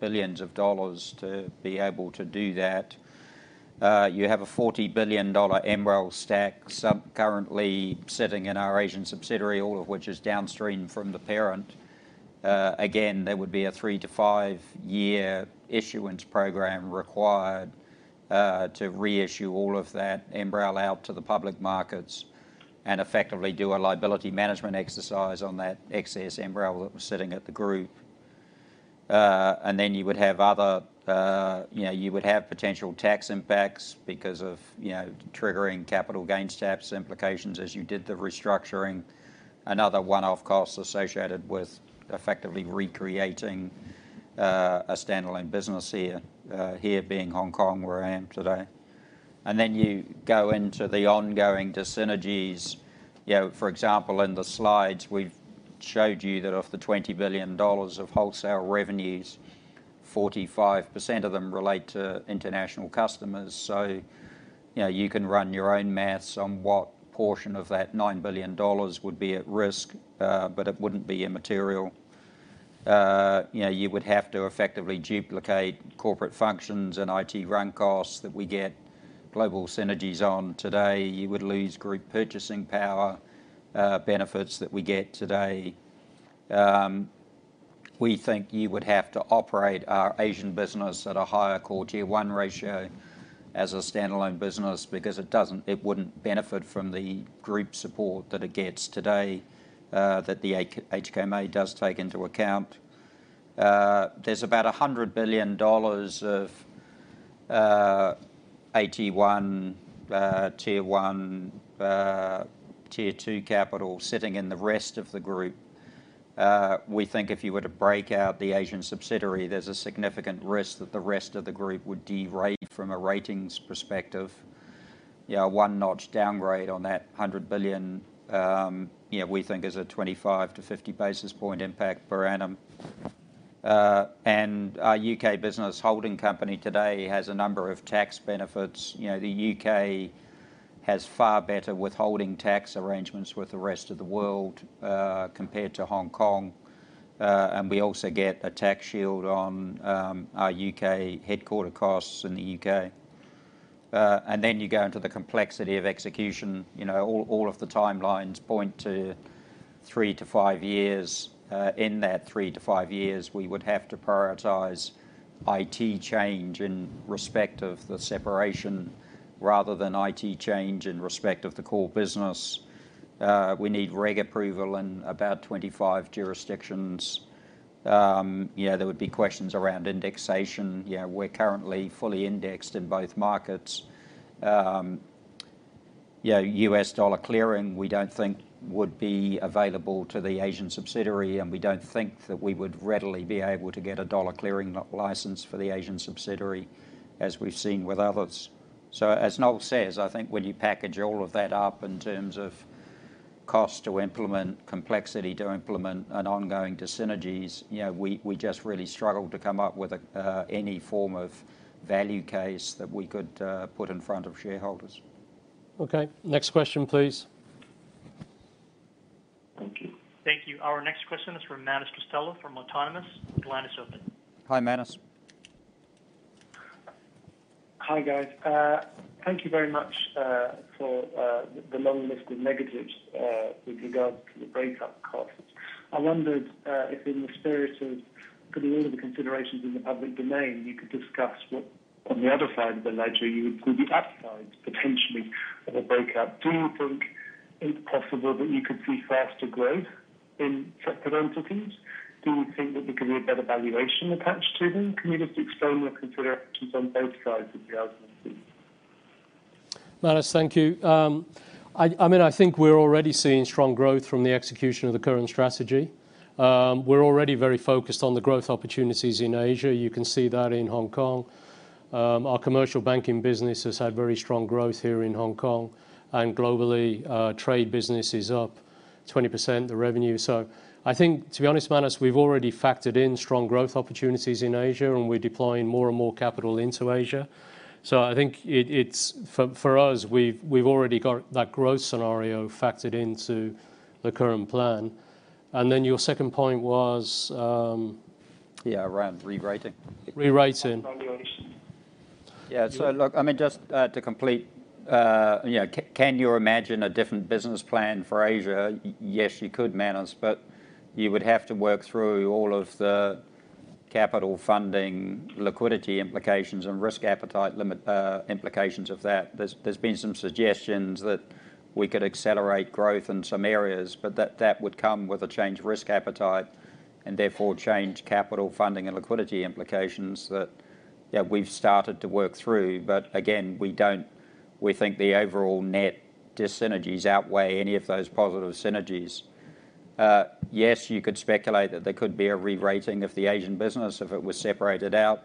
billions of dollars to be able to do that. You have a $40 billion MREL stack sub currently sitting in our Asian subsidiary, all of which is downstream from the parent. Again, there would be a three to five year issuance program required to reissue all of that MREL out to the public markets and effectively do a liability management exercise on that excess MREL that was sitting at the group. Then you would have other, you know, you would have potential tax impacts because of, you know, triggering capital gains tax implications as you did the restructuring. Another one-off cost associated with effectively recreating a standalone business here being Hong Kong, where I am today. Then you go into the ongoing dis-synergies. You know, for example, in the slides, we've showed you that of the $20 billion of wholesale revenues, 45% of them relate to international customers. You know, you can run your own math on what portion of that $9 billion would be at risk, but it wouldn't be immaterial. You know, you would have to effectively duplicate corporate functions and IT run costs that we get global synergies on today. You would lose group purchasing power benefits that we get today. We think you would have to operate our Asian business at a higher Core Tier 1 ratio as a standalone business because it wouldn't benefit from the group support that it gets today, that the HKMA does take into account. There's about $100 billion of AT1, Tier 1, Tier 2 capital sitting in the rest of the group. We think if you were to break out the Asian subsidiary, there's a significant risk that the rest of the group would de-rate from a ratings perspective. You know, one notch downgrade on that $100 billion, you know, we think is a 25-50 basis point impact per annum. Our U.K. business holding company today has a number of tax benefits. You know, the U.K. has far better withholding tax arrangements with the rest of the world, compared to Hong Kong. We also get a tax shield on our U.K. headquarters costs in the U.K. Then you go into the complexity of execution. You know, all of the timelines point to three to five years. In that three to five years, we would have to prioritize IT change in respect of the separation rather than IT change in respect of the core business. We need reg approval in about 25 jurisdictions. There would be questions around indexation. You know, we're currently fully indexed in both markets. You know, U.S. dollar clearing, we don't think would be available to the Asian subsidiary, and we don't think that we would readily be able to get a dollar clearing license for the Asian subsidiary as we've seen with others. As Noel says, I think when you package all of that up in terms of cost to implement, complexity to implement, and ongoing dis-synergies, you know, we just really struggle to come up with any form of value case that we could put in front of shareholders. Okay. Next question, please. Thank you. Thank you. Our next question is from Manus Costello from Autonomous. The line is open. Hi, Manus. Hi, guys. Thank you very much for the long list of negatives with regards to the break-up costs. I wondered if in the spirit of putting all of the considerations in the public domain, you could discuss what on the other side of the ledger you would do the upside potentially of a break-up. Do you think it's possible that you could see faster growth in separate entities? Do you think that there could be a better valuation attached to them? Can you just explain your considerations on both sides of the argument, please? Manus, thank you. I mean, I think we're already seeing strong growth from the execution of the current strategy. We're already very focused on the growth opportunities in Asia. You can see that in Hong Kong. Our Commercial Banking business has had very strong growth here in Hong Kong. Globally, trade business is up 20%, the revenue. I think, to be honest, Manus, we've already factored in strong growth opportunities in Asia, and we're deploying more and more capital into Asia. I think it's for us, we've already got that growth scenario factored into the current plan. Your second point was... Yeah, around rerating. Rerating. Valuation. Yeah. Look, I mean, just to complete, you know, can you imagine a different business plan for Asia? Yes, you could, Manus, but you would have to work through all of the capital funding, liquidity implications, and risk appetite limit implications of that. There has been some suggestions that we could accelerate growth in some areas, but that would come with a change risk appetite and therefore change capital funding and liquidity implications that we've started to work through. Again, we don't think the overall net dis-synergies outweigh any of those positive synergies. Yes, you could speculate that there could be a rerating of the Asian business if it was separated out.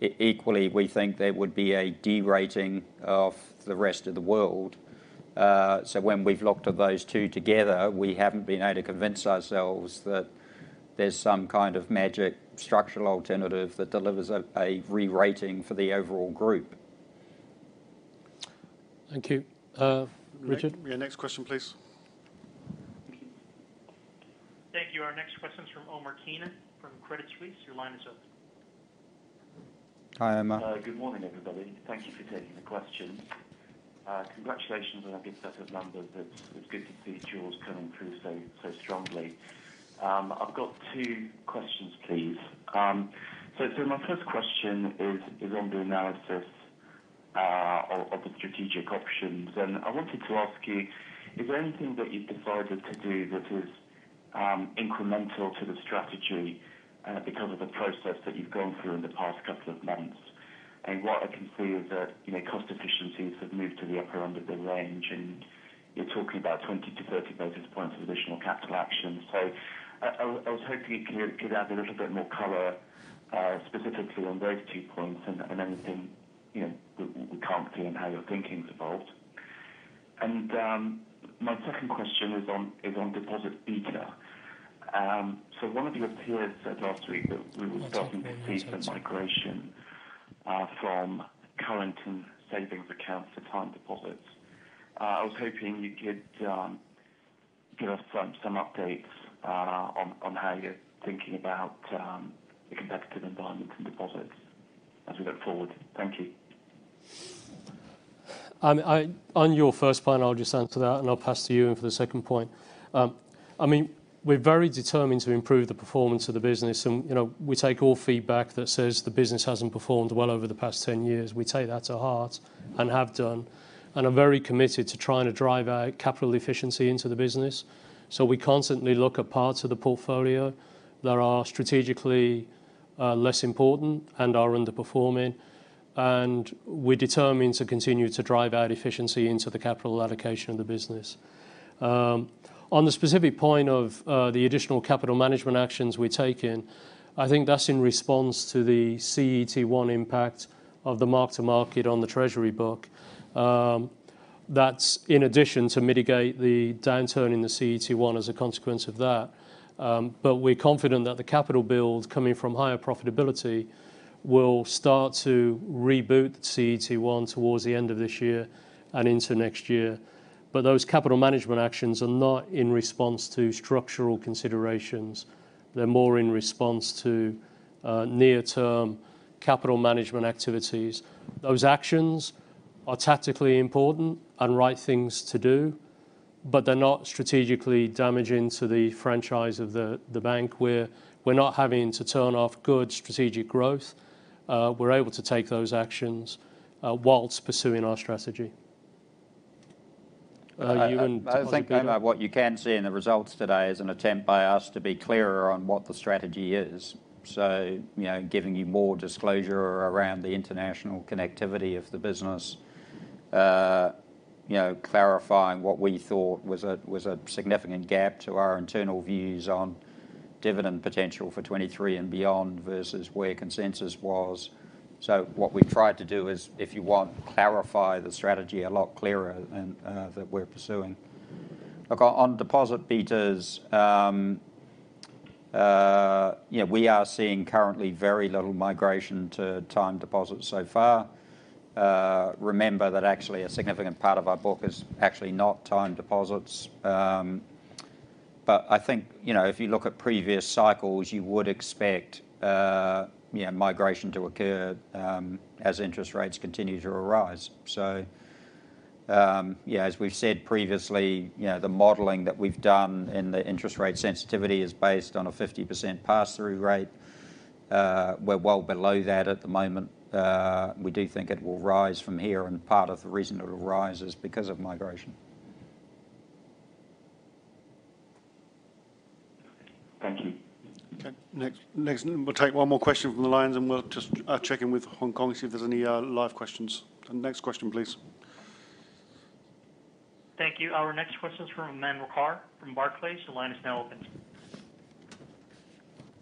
Equally, we think there would be a derating of the rest of the world. When we've looked at those two together, we haven't been able to convince ourselves that there's some kind of magic structural alternative that delivers a rerating for the overall group. Thank you, Richard. Yeah, next question, please. Thank you. Our next question's from Omar Keenan from Credit Suisse. Your line is open. Hi, Omar. Good morning, everybody. Thank you for taking the questions. Congratulations on a good set of numbers. It's good to see yours coming through so strongly. I've got two questions, please. My first question is on the analysis of the strategic options. I wanted to ask you, is there anything that you've decided to do that is incremental to the strategy because of the process that you've gone through in the past couple of months? What I can see is that, you know, cost efficiencies have moved to the upper end of the range, and you're talking about 20-30 basis points of additional capital action. I was hoping you could add a little bit more color, specifically on those two points and anything, you know, we can't see on how your thinking's evolved. My second question is on deposit beta. One of your peers said last week that we were starting to see some migration from current and savings accounts to time deposits. I was hoping you could give us some updates on how you're thinking about the competitive environment and deposits as we look forward. Thank you. On your first point, I'll just answer that, and I'll pass to Ewen for the second point. I mean, we're very determined to improve the performance of the business and, you know, we take all feedback that says the business hasn't performed well over the past 10 years. We take that to heart and have done, and are very committed to trying to drive our capital efficiency into the business. We constantly look at parts of the portfolio that are strategically less important and are underperforming, and we're determined to continue to drive out efficiency into the capital allocation of the business. On the specific point of the additional capital management actions we're taking, I think that's in response to the CET1 impact of the mark-to-market on the treasury book. That's in addition to mitigate the downturn in the CET1 as a consequence of that. We're confident that the capital build coming from higher profitability will start to reboot CET1 towards the end of this year and into next year. Those capital management actions are not in response to structural considerations. They're more in response to near-term capital management activities. Those actions are tactically important and right things to do, but they're not strategically damaging to the franchise of the bank. We're not having to turn off good strategic growth. We're able to take those actions while pursuing our strategy. Ewen, do you want to go to- I think, Omar, what you can see in the results today is an attempt by us to be clearer on what the strategy is. You know, giving you more disclosure around the international connectivity of the business. You know, clarifying what we thought was a significant gap to our internal views on dividend potential for 2023 and beyond versus where consensus was. What we've tried to do is, if you want, clarify the strategy a lot clearer and that we're pursuing. Look, on deposit betas, yeah, we are seeing currently very little migration to time deposits so far. Remember that actually a significant part of our book is actually not time deposits. But I think, you know, if you look at previous cycles, you would expect, you know, migration to occur, as interest rates continue to rise. As we've said previously, you know, the modeling that we've done and the interest rate sensitivity is based on a 50% pass-through rate. We're well below that at the moment. We do think it will rise from here, and part of the reason it'll rise is because of migration. Thank you. Okay. Next, we'll take one more question from the lines, and we'll just check in with Hong Kong and see if there's any live questions. Next question, please. Thank you. Our next question's from Aman Rakkar from Barclays. The line is now open.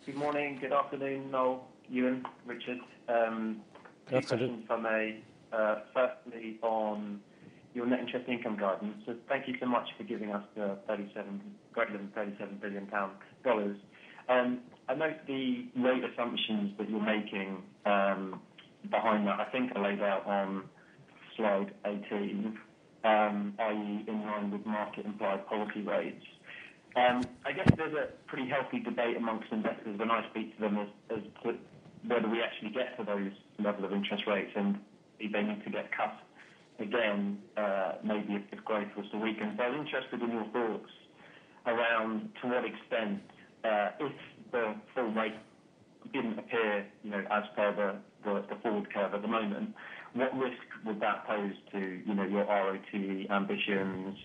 Good morning, good afternoon, Noel, Ewen, Richard. Hello, Aman. Two questions for me. Firstly, on your net interest income guidance. Thank you so much for giving us greater than $37 billion. I note the rate assumptions that you're making behind that. I think I laid out on slide 18, i.e., in line with market-implied policy rates. I guess there's a pretty healthy debate among investors when I speak to them as to whether we actually get to those levels of interest rates and if they need to get cut again, maybe if growth was to weaken. I'm interested in your thoughts around to what extent, if the full rate didn't appear, you know, as per the forward curve at the moment, what risk would that pose to, you know, your RoTE ambitions?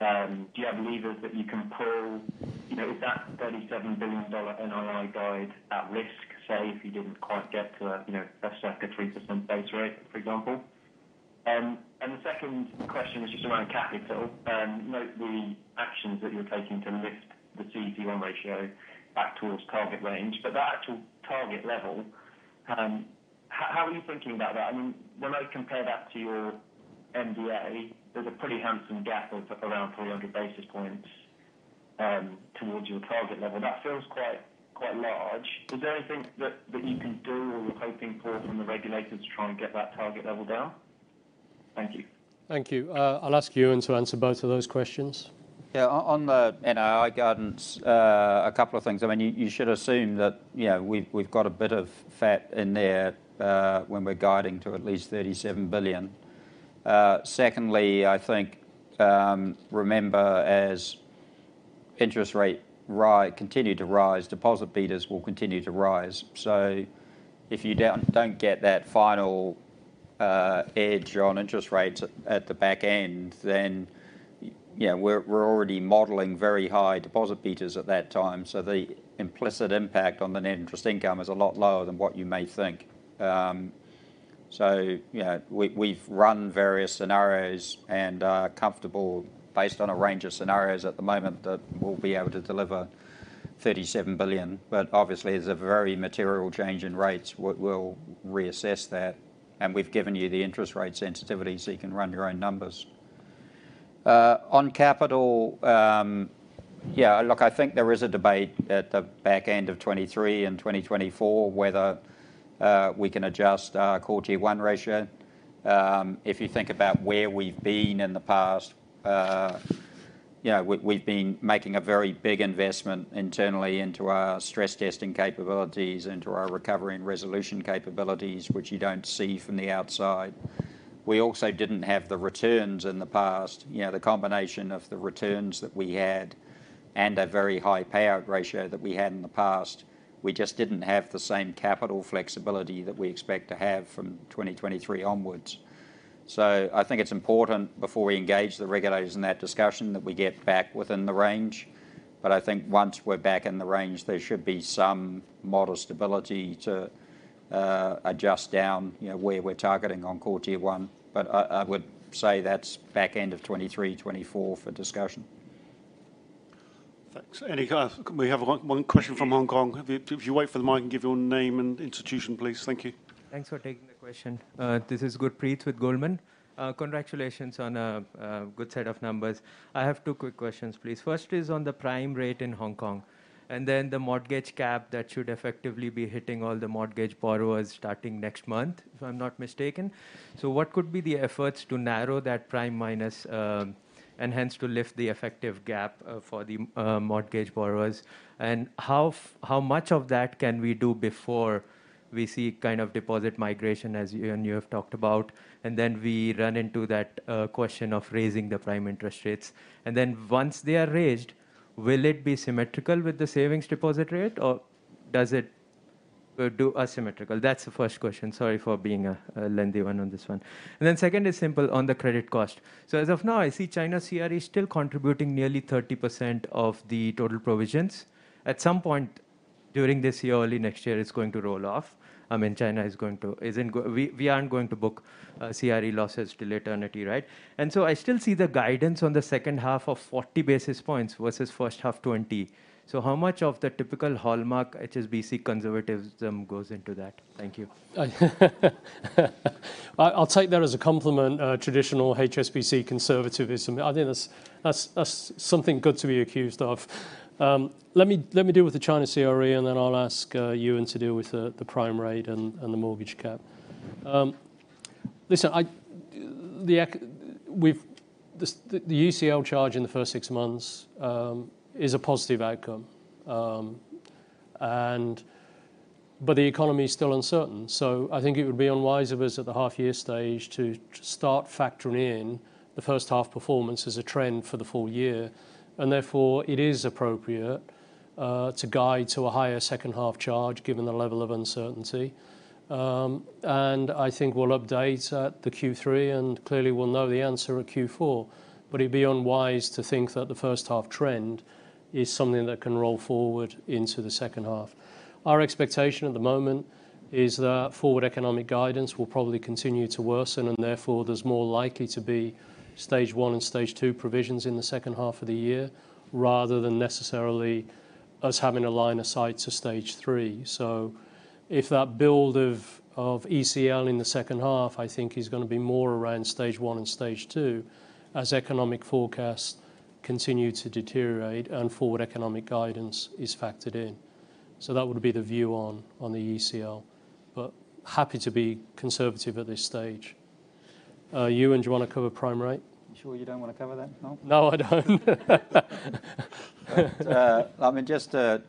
Do you have levers that you can pull? You know, is that $37 billion NII guide at risk, say, if you didn't quite get to a, you know, a circa 3% base rate, for example? The second question was just around capital. Note the actions that you're taking to lift the CET1 ratio back towards target range. But the actual target level, how are you thinking about that? I mean, when I compare that to your MDA, there's a pretty handsome gap of around 300 basis points towards your target level. That feels quite large. Is there anything that you can do or you're hoping for from the regulators to try and get that target level down? Thank you. Thank you. I'll ask Ewen to answer both of those questions. Yeah. On the NII guidance, a couple of things. I mean, you should assume that, you know, we've got a bit of fat in there when we're guiding to at least $37 billion. Secondly, I think, remember, as interest rates continue to rise, deposit betas will continue to rise. If you don't get that final edge on interest rates at the back end, then, you know, we're already modeling very high deposit betas at that time. The implicit impact on the net interest income is a lot lower than what you may think. You know, we've run various scenarios and are comfortable based on a range of scenarios at the moment that we'll be able to deliver $37 billion. Obviously, there's a very material change in rates. We'll reassess that. We've given you the interest rate sensitivity, so you can run your own numbers. On capital, look, I think there is a debate at the back end of 2023 and 2024 whether we can adjust our Core Tier 1 ratio. If you think about where we've been in the past, you know, we've been making a very big investment internally into our stress testing capabilities, into our recovery and resolution capabilities, which you don't see from the outside. We also didn't have the returns in the past. You know, the combination of the returns that we had and a very high payout ratio that we had in the past. We just didn't have the same capital flexibility that we expect to have from 2023 onwards. I think it's important before we engage the regulators in that discussion that we get back within the range. I think once we're back in the range, there should be some model stability to adjust down, you know, where we're targeting on Core Tier 1. I would say that's back end of 2023, 2024 for discussion. Thanks. Can we have one question from Hong Kong? If you wait for the mic and give your name and institution, please. Thank you. Thanks for taking the question. This is Gurpreet with Goldman Sachs. Congratulations on a good set of numbers. I have two quick questions, please. First is on the prime rate in Hong Kong, and then the mortgage cap that should effectively be hitting all the mortgage borrowers starting next month, if I'm not mistaken. What could be the efforts to narrow that prime minus, and hence to lift the effective gap, for the mortgage borrowers? And how much of that can we do before we see kind of deposit migration, as Ewen you have talked about, and then we run into that question of raising the prime interest rates? And then once they are raised, will it be symmetrical with the savings deposit rate or does it do asymmetrical? That's the first question. Sorry for being a lengthy one on this one. Then second is simple on the credit cost. As of now, I see China CRE still contributing nearly 30% of the total provisions. At some point during this year, early next year, it's going to roll off. I mean, we aren't going to book CRE losses till eternity, right? I still see the guidance on the second half of 40 basis points versus first half 20. How much of the typical hallmark HSBC conservatism goes into that? Thank you. I'll take that as a compliment, traditional HSBC conservatism. I think that's something good to be accused of. Let me deal with the China CRE, and then I'll ask Ewen to deal with the prime rate and the mortgage cap. Listen, I The ECL charge in the first six months is a positive outcome, but the economy is still uncertain. I think it would be unwise of us at the half year stage to start factoring in the first half performance as a trend for the full year. Therefore it is appropriate to guide to a higher second half charge given the level of uncertainty. I think we'll update at the Q3, and clearly we'll know the answer at Q4. It'd be unwise to think that the first half trend is something that can roll forward into the second half. Our expectation at the moment is that forward economic guidance will probably continue to worsen, and therefore there's more likely to be stage one and stage two provisions in the second half of the year rather than necessarily us having a line of sight to stage three. If that build of ECL in the second half, I think is gonna be more around stage one and stage two as economic forecasts continue to deteriorate and forward economic guidance is factored in. That would be the view on the ECL, but happy to be conservative at this stage. Ewen, do you want to cover prime rate? You sure you don't want to cover that, Noel? No, I don't. I mean, just to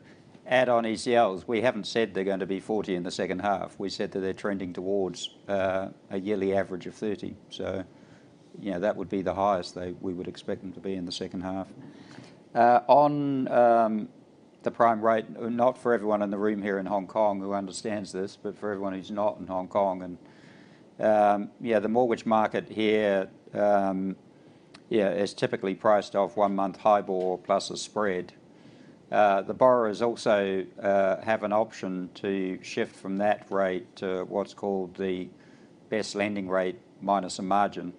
add on ECLs, we haven't said they're going to be 40 in the second half. We said that they're trending towards a yearly average of 30. You know, that would be the highest we would expect them to be in the second half. On the prime rate, not for everyone in the room here in Hong Kong who understands this, but for everyone who's not in Hong Kong and the mortgage market here is typically priced off one-month HIBOR plus a spread. The borrowers also have an option to shift from that rate to what's called the best lending rate minus a margin.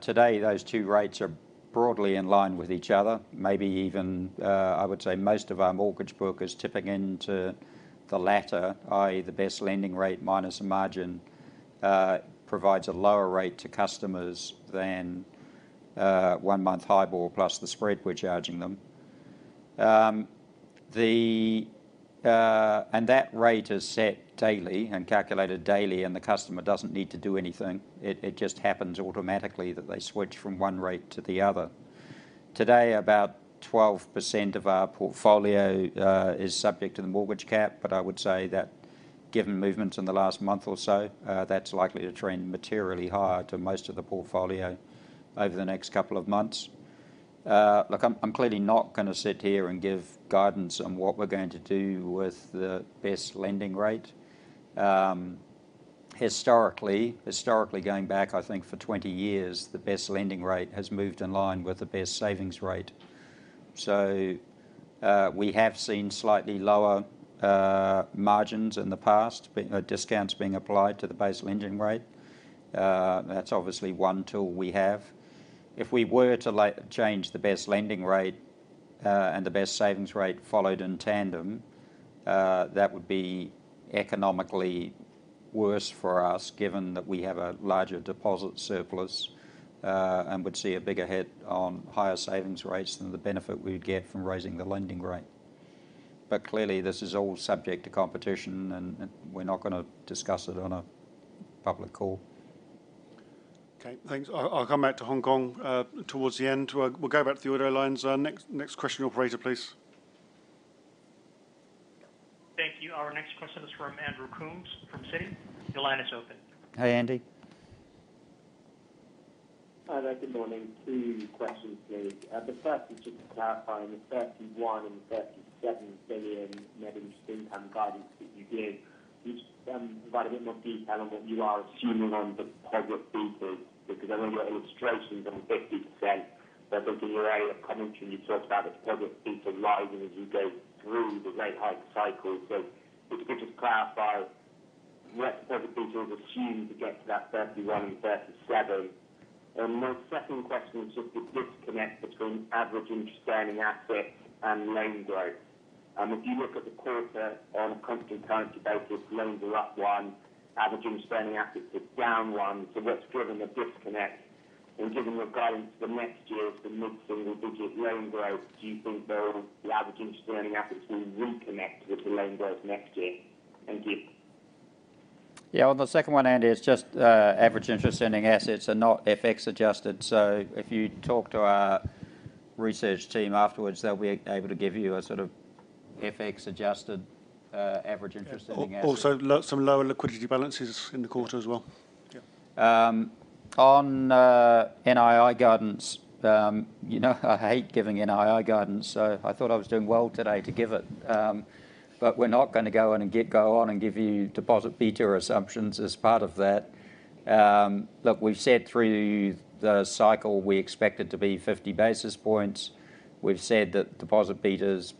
Today, those two rates are broadly in line with each other. Maybe even, I would say most of our mortgage book is tipping into the latter, i.e., the best lending rate minus a margin provides a lower rate to customers than one-month HIBOR plus the spread we're charging them. That rate is set daily and calculated daily, and the customer doesn't need to do anything. It just happens automatically that they switch from one rate to the other. Today, about 12% of our portfolio is subject to the mortgage cap, but I would say that given movements in the last month or so, that's likely to trend materially higher to most of the portfolio over the next couple of months. Look, I'm clearly not gonna sit here and give guidance on what we're going to do with the best lending rate. Historically, going back, I think for 20 years, the best lending rate has moved in line with the best savings rate. We have seen slightly lower margins in the past, but discounts being applied to the best lending rate. That's obviously one tool we have. If we were to change the best lending rate, and the best savings rate followed in tandem, that would be economically worse for us, given that we have a larger deposit surplus, and would see a bigger hit on higher savings rates than the benefit we would get from raising the lending rate. Clearly, this is all subject to competition, and we're not gonna discuss it on a public call. Okay, thanks. I'll come back to Hong Kong towards the end. We'll go back to the order lines. Next question, operator, please. Thank you. Our next question is from Andrew Coombs from Citi. Your line is open. Hi, Andy. Hi there. Good morning. Two questions, please. The first is just to clarify the $31 billion and the $37 billion net interest income guidance that you gave. Can you just provide a bit more detail on what you are assuming on the deposit beta? Because I know your illustration is on 50%, but I think in your earlier commentary, you talked about the deposit beta rising as you go through the rate hike cycle. If you could just clarify what deposit beta is assumed to get to that $31 billion and $37 billion. My second question is just the disconnect between average interest earning assets and loan growth. If you look at the quarter on a constant currency basis, loans are up 1%, average interest earning assets is down 1%. What's driven the disconnect? Given your guidance for next year is for mid-single digits loan growth, do you think the average interest earning assets will reconnect with the loan growth next year? Thank you. On the second one, Andy, it's just average interest earning assets are not FX adjusted. If you talk to our research team afterwards, they'll be able to give you a sort of FX adjusted average interest earning asset. Also, some lower liquidity balances in the quarter as well. On NII guidance, you know I hate giving NII guidance, so I thought I was doing well today to give it. We're not gonna go on and give you deposit beta assumptions as part of that. Look, we've said through the cycle, we expect it to be 50 basis points. We've said that deposit betas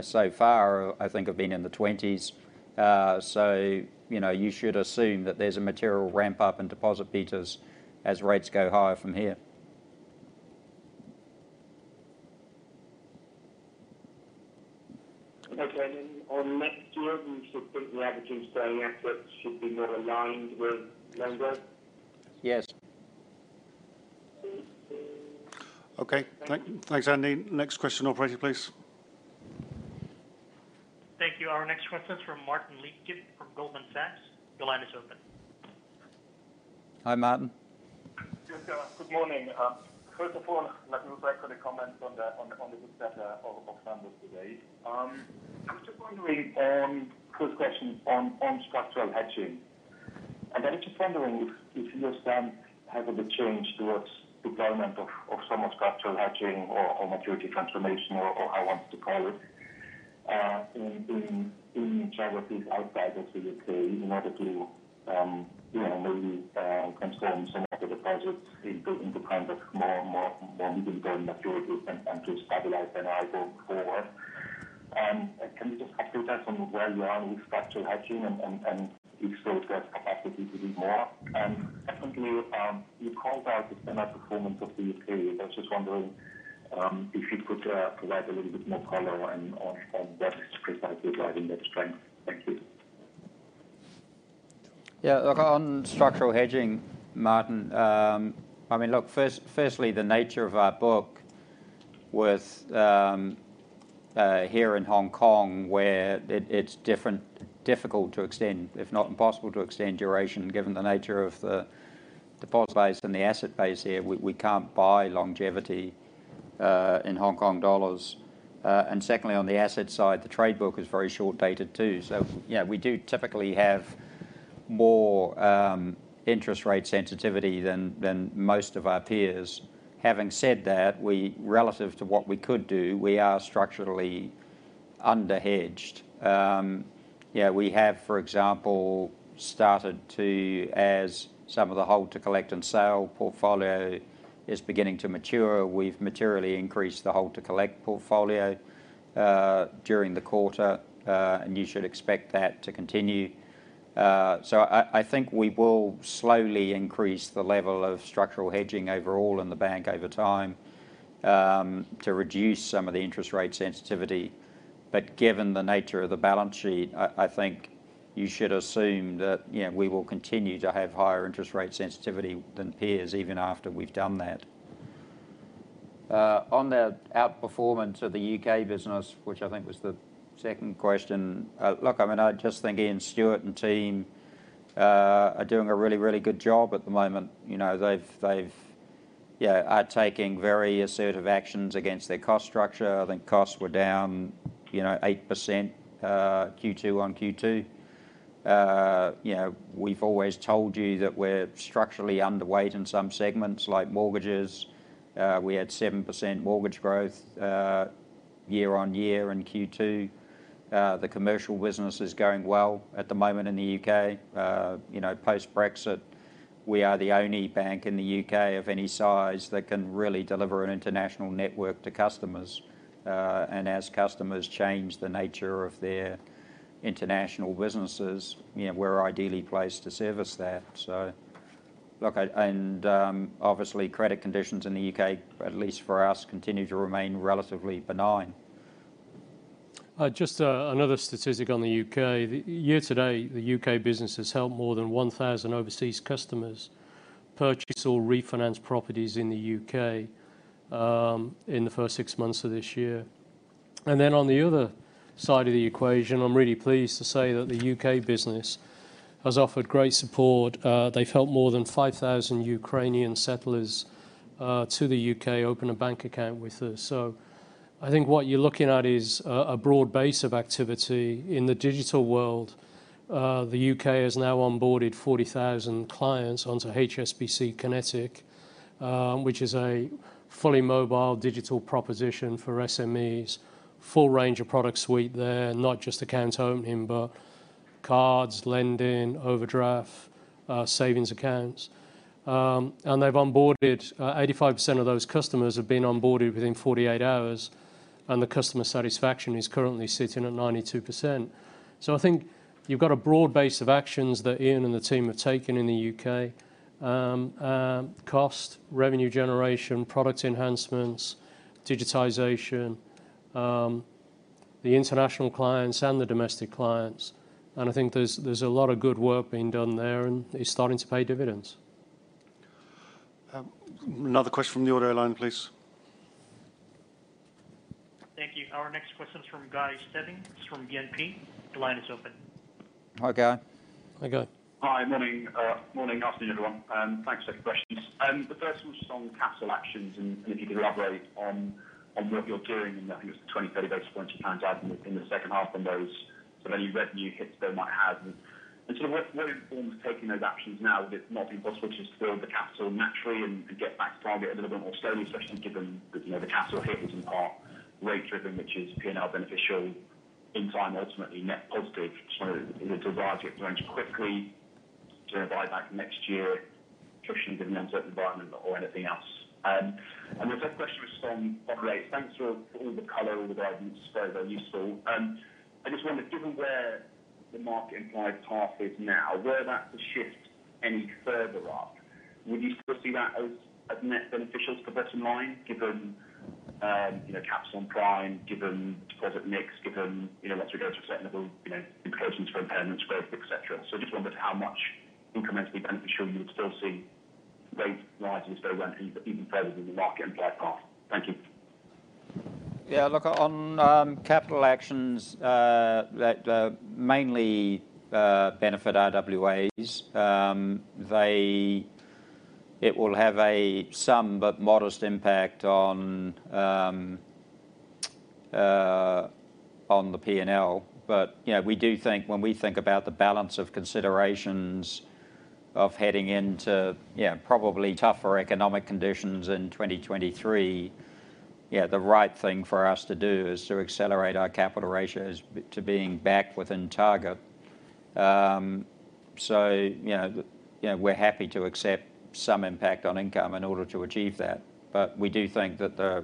so far, I think, have been in the twenties. You know, you should assume that there's a material ramp up in deposit betas as rates go higher from here. Okay. On next year, you still think the average interest earning assets should be more aligned with loan growth? Yes. Okay. Thanks, Andy. Next question, operator, please. Thank you. Our next question is from Martin Leitgeb from Goldman Sachs. Your line is open. Hi, Martin. Yes. Good morning. First of all, let me reflect on the comments on the good set of numbers today. I was just wondering, first question on structural hedging. I'm actually just wondering if your stance has a bit changed towards deployment of some structural hedging or maturity transformation or however one wants to call it, in geographies outside of the U.K. in order to, you know, maybe transform some of the deposits into kind of more medium-term maturities and to stabilize NII going forward. Can you just update us on where you are with structural hedging and if so, do you have capacity to do more? Secondly, you called out the standout performance of the U.K. I was just wondering, if you could, provide a little bit more color on what is precisely driving that strength. Thank you. Yeah. Look, on structural hedging, Martin, firstly, the nature of our book here in Hong Kong, where it's difficult to extend, if not impossible to extend duration, given the nature of the deposit base and the asset base here. We can't buy longevity in Hong Kong dollars. And secondly, on the asset side, the trade book is very short-dated too. So, you know, we do typically have more interest rate sensitivity than most of our peers. Having said that, relative to what we could do, we are structurally under-hedged. We have, for example, started to, as some of the hold to collect and sell portfolio is beginning to mature, we've materially increased the hold to collect portfolio during the quarter, and you should expect that to continue. I think we will slowly increase the level of structural hedging overall in the bank over time to reduce some of the interest rate sensitivity. Given the nature of the balance sheet, I think you should assume that, you know, we will continue to have higher interest rate sensitivity than peers even after we've done that. On the outperformance of the U.K. business, which I think was the second question. Look, I mean, I just think Ian Stuart and team are doing a really, really good job at the moment. You know, they've, you know, are taking very assertive actions against their cost structure. I think costs were down, you know, 8%, Q2-on-Q2. You know, we've always told you that we're structurally underweight in some segments, like mortgages. We had 7% mortgage growth year-on-year in Q2. The commercial business is going well at the moment in the U.K. You know, post-Brexit, we are the only bank in the U.K. of any size that can really deliver an international network to customers. As customers change the nature of their international businesses, you know, we're ideally placed to service that. Obviously, credit conditions in the U.K., at least for us, continue to remain relatively benign. Just another statistic on the U.K. Year-to-date, the U.K. business has helped more than 1,000 overseas customers purchase or refinance properties in the U.K., in the first six months of this year. Then on the other side of the equation, I'm really pleased to say that the U.K. business has offered great support. They've helped more than 5,000 Ukrainian settlers to the U.K. open a bank account with us. I think what you're looking at is a broad base of activity. In the digital world, the U.K. has now onboarded 40,000 clients onto HSBC Kinetic, which is a fully mobile digital proposition for SMEs. Full range of product suite there, not just accounts only, but cards, lending, overdraft, savings accounts. They've onboarded 85% of those customers have been onboarded within 48 hours, and the customer satisfaction is currently sitting at 92%. I think you've got a broad base of actions that Ian and the team have taken in the U.K. Cost, revenue generation, product enhancements, digitization, the international clients and the domestic clients. I think there's a lot of good work being done there, and it's starting to pay dividends. Another question from the order line, please. Thank you. Our next question is from Guy Stebbings. It's from BNP. Your line is open. Hi, Guy. Hi, Guy. Morning. Afternoon, everyone, and thanks for taking questions. The first one was on capital actions and if you could elaborate on what you're doing, and I think it's the 20-30 basis points you planned out in the second half and those. Any revenue hits they might have. Sort of what informs taking those actions now that it's not been possible to just build the capital naturally and get back to target a little bit more slowly, especially given that, you know, the capital hits are rate driven, which is P&L beneficial in time, ultimately net positive. Is it a desire to get it done quickly to invite back next year, especially given the uncertain environment or anything else? The second question was. Thanks for all the color, all the guidance so far. Very useful. I just wondered, given where the market implied path is now, were that to shift any further up, would you still see that as net beneficial to progress in line given, you know, capital and pricing, given deposit mix, given, you know, once we go through certain level, you know, implications for impairments growth, et cetera. Just wondering how much incrementally beneficial you would still see? Rates rising so even further than the market priced cost. Thank you. Look, on capital actions that mainly benefit RWAs, it will have some but modest impact on the P&L. You know, we do think when we think about the balance of considerations of heading into probably tougher economic conditions in 2023, the right thing for us to do is to accelerate our capital ratios to being back within target. You know, we're happy to accept some impact on income in order to achieve that. We do think that the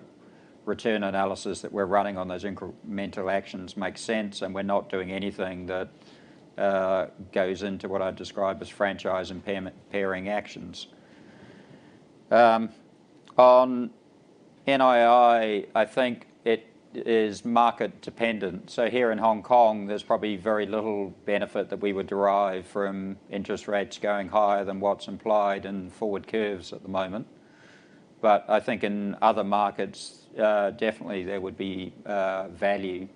return analysis that we're running on those incremental actions make sense, and we're not doing anything that goes into what I'd describe as franchise impairment paring actions. On NII, I think it is market dependent. Here in Hong Kong, there's probably very little benefit that we would derive from interest rates going higher than what's implied in forward curves at the moment. I think in other markets, definitely there would be value.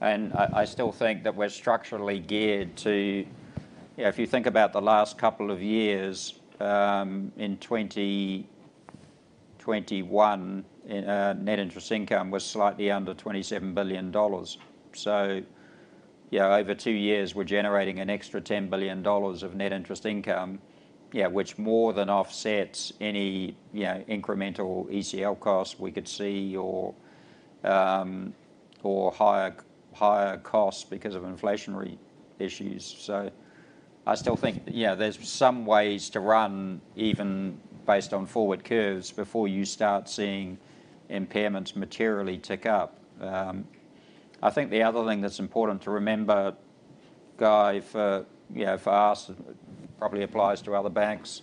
I still think that we're structurally geared to. You know, if you think about the last couple of years, in 2021, net interest income was slightly under $27 billion. You know, over two years, we're generating an extra $10 billion of net interest income, yeah, which more than offsets any, you know, incremental ECL costs we could see or higher costs because of inflationary issues. I still think, yeah, there's some ways to run even based on forward curves before you start seeing impairments materially tick up. I think the other thing that's important to remember, Guy, for, you know, for us, it probably applies to other banks,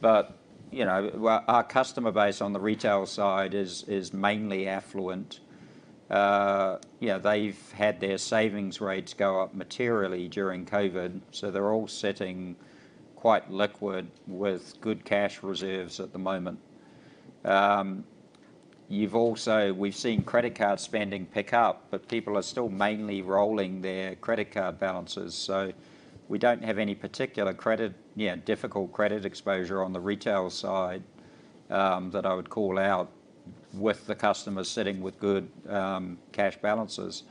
but, you know, well, our customer base on the retail side is mainly affluent. You know, they've had their savings rates go up materially during COVID, so they're all sitting quite liquid with good cash reserves at the moment. We've seen credit card spending pick up, but people are still mainly rolling their credit card balances. We don't have any particular credit, you know, difficult credit exposure on the retail side, that I would call out with the customers sitting with good, cash balances.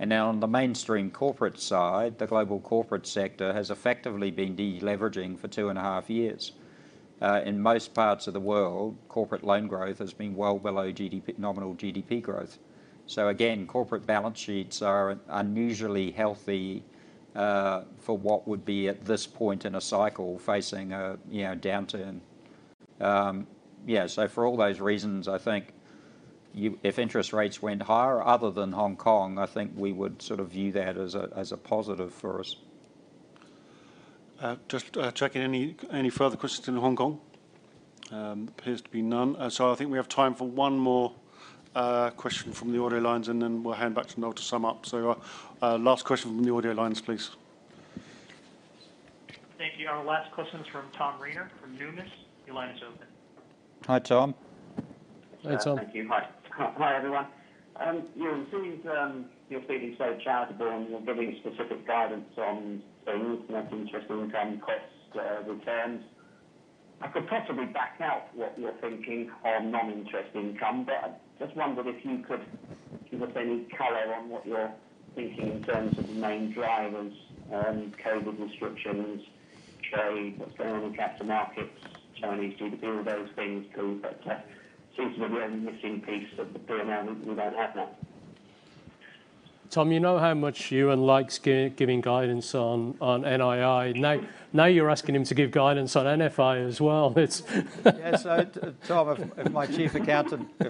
Now on the mainstream corporate side, the global corporate sector has effectively been de-leveraging for two and a half years. In most parts of the world, corporate loan growth has been well below GDP, nominal GDP growth. Again, corporate balance sheets are unusually healthy for what would be at this point in a cycle facing a, you know, downturn. For all those reasons, I think if interest rates went higher other than Hong Kong, I think we would sort of view that as a positive for us. Just checking any further questions in Hong Kong. Appears to be none. I think we have time for one more question from the audio lines, and then we'll hand back to Noel to sum up. Last question from the audio lines, please. Thank you. Our last question's from Tom Rayner from Numis. Your line is open. Hi, Tom. Hey, Tom. Thank you. Hi. Hi, everyone. You know, seeing as you're feeling so charitable and you're giving specific guidance on, say, net interest income costs, returns, I could possibly back out what you're thinking on non-interest income. I just wondered if you could give us any color on what you're thinking in terms of the main drivers, COVID restrictions, trade, what's going on in capital markets, Chinese GDP, all those things. It seems to be the only missing piece of the P&L. We don't have that. Tom, you know how much Ewen likes giving guidance on NII. Now you're asking him to give guidance on NFI as well. Yeah. Tom, if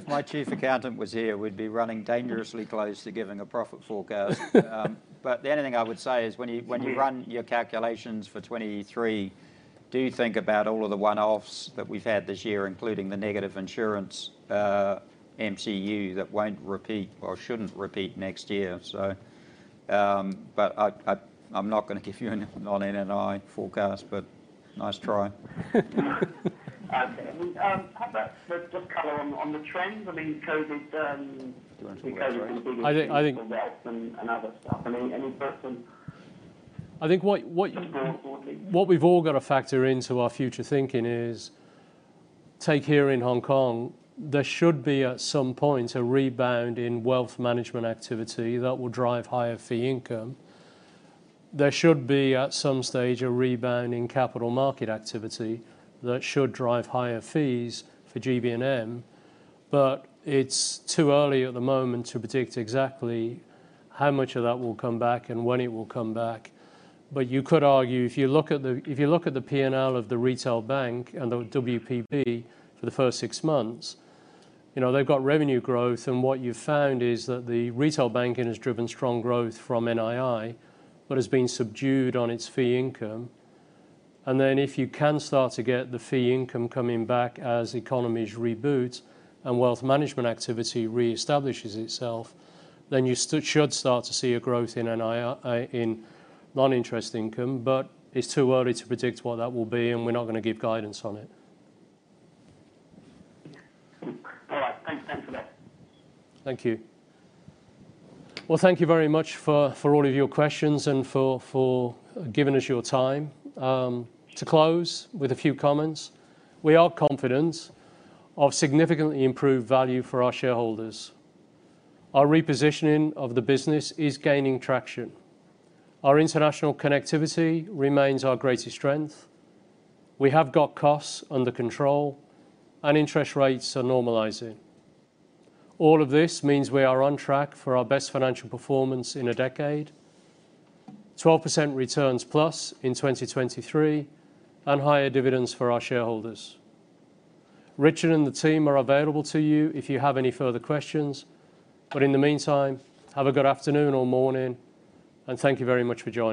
my chief accountant was here, we'd be running dangerously close to giving a profit forecast. The only thing I would say is when you run your calculations for 2023, do think about all of the one-offs that we've had this year, including the negative insurance mark-to-market that won't repeat or shouldn't repeat next year. I'm not gonna give you any non-NII forecast, but nice try. Okay. How about just color on the trends? I mean, COVID. Do you want to take that, Noel Quinn? COVID has been a big issue for that. I think. other stuff. I mean, any person. I think what Just more broadly. What we've all got to factor into our future thinking is, take here in Hong Kong, there should be at some point a rebound in wealth management activity that will drive higher fee income. There should be at some stage a rebound in capital market activity that should drive higher fees for GB&M. It's too early at the moment to predict exactly how much of that will come back and when it will come back. You could argue, if you look at the P&L of the retail bank and the WPB for the first six months, you know, they've got revenue growth, and what you found is that the retail banking has driven strong growth from NII but has been subdued on its fee income. If you can start to get the fee income coming back as economies reboot and wealth management activity reestablishes itself, then you should start to see a growth in NFI in non-interest income. It's too early to predict what that will be, and we're not gonna give guidance on it. All right. Thanks for that. Thank you. Well, thank you very much for all of your questions and for giving us your time. To close with a few comments, we are confident of significantly improved value for our shareholders. Our repositioning of the business is gaining traction. Our international connectivity remains our greatest strength. We have got costs under control, and interest rates are normalizing. All of this means we are on track for our best financial performance in a decade, 12% returns plus in 2023, and higher dividends for our shareholders. Richard and the team are available to you if you have any further questions. In the meantime, have a good afternoon or morning, and thank you very much for joining us.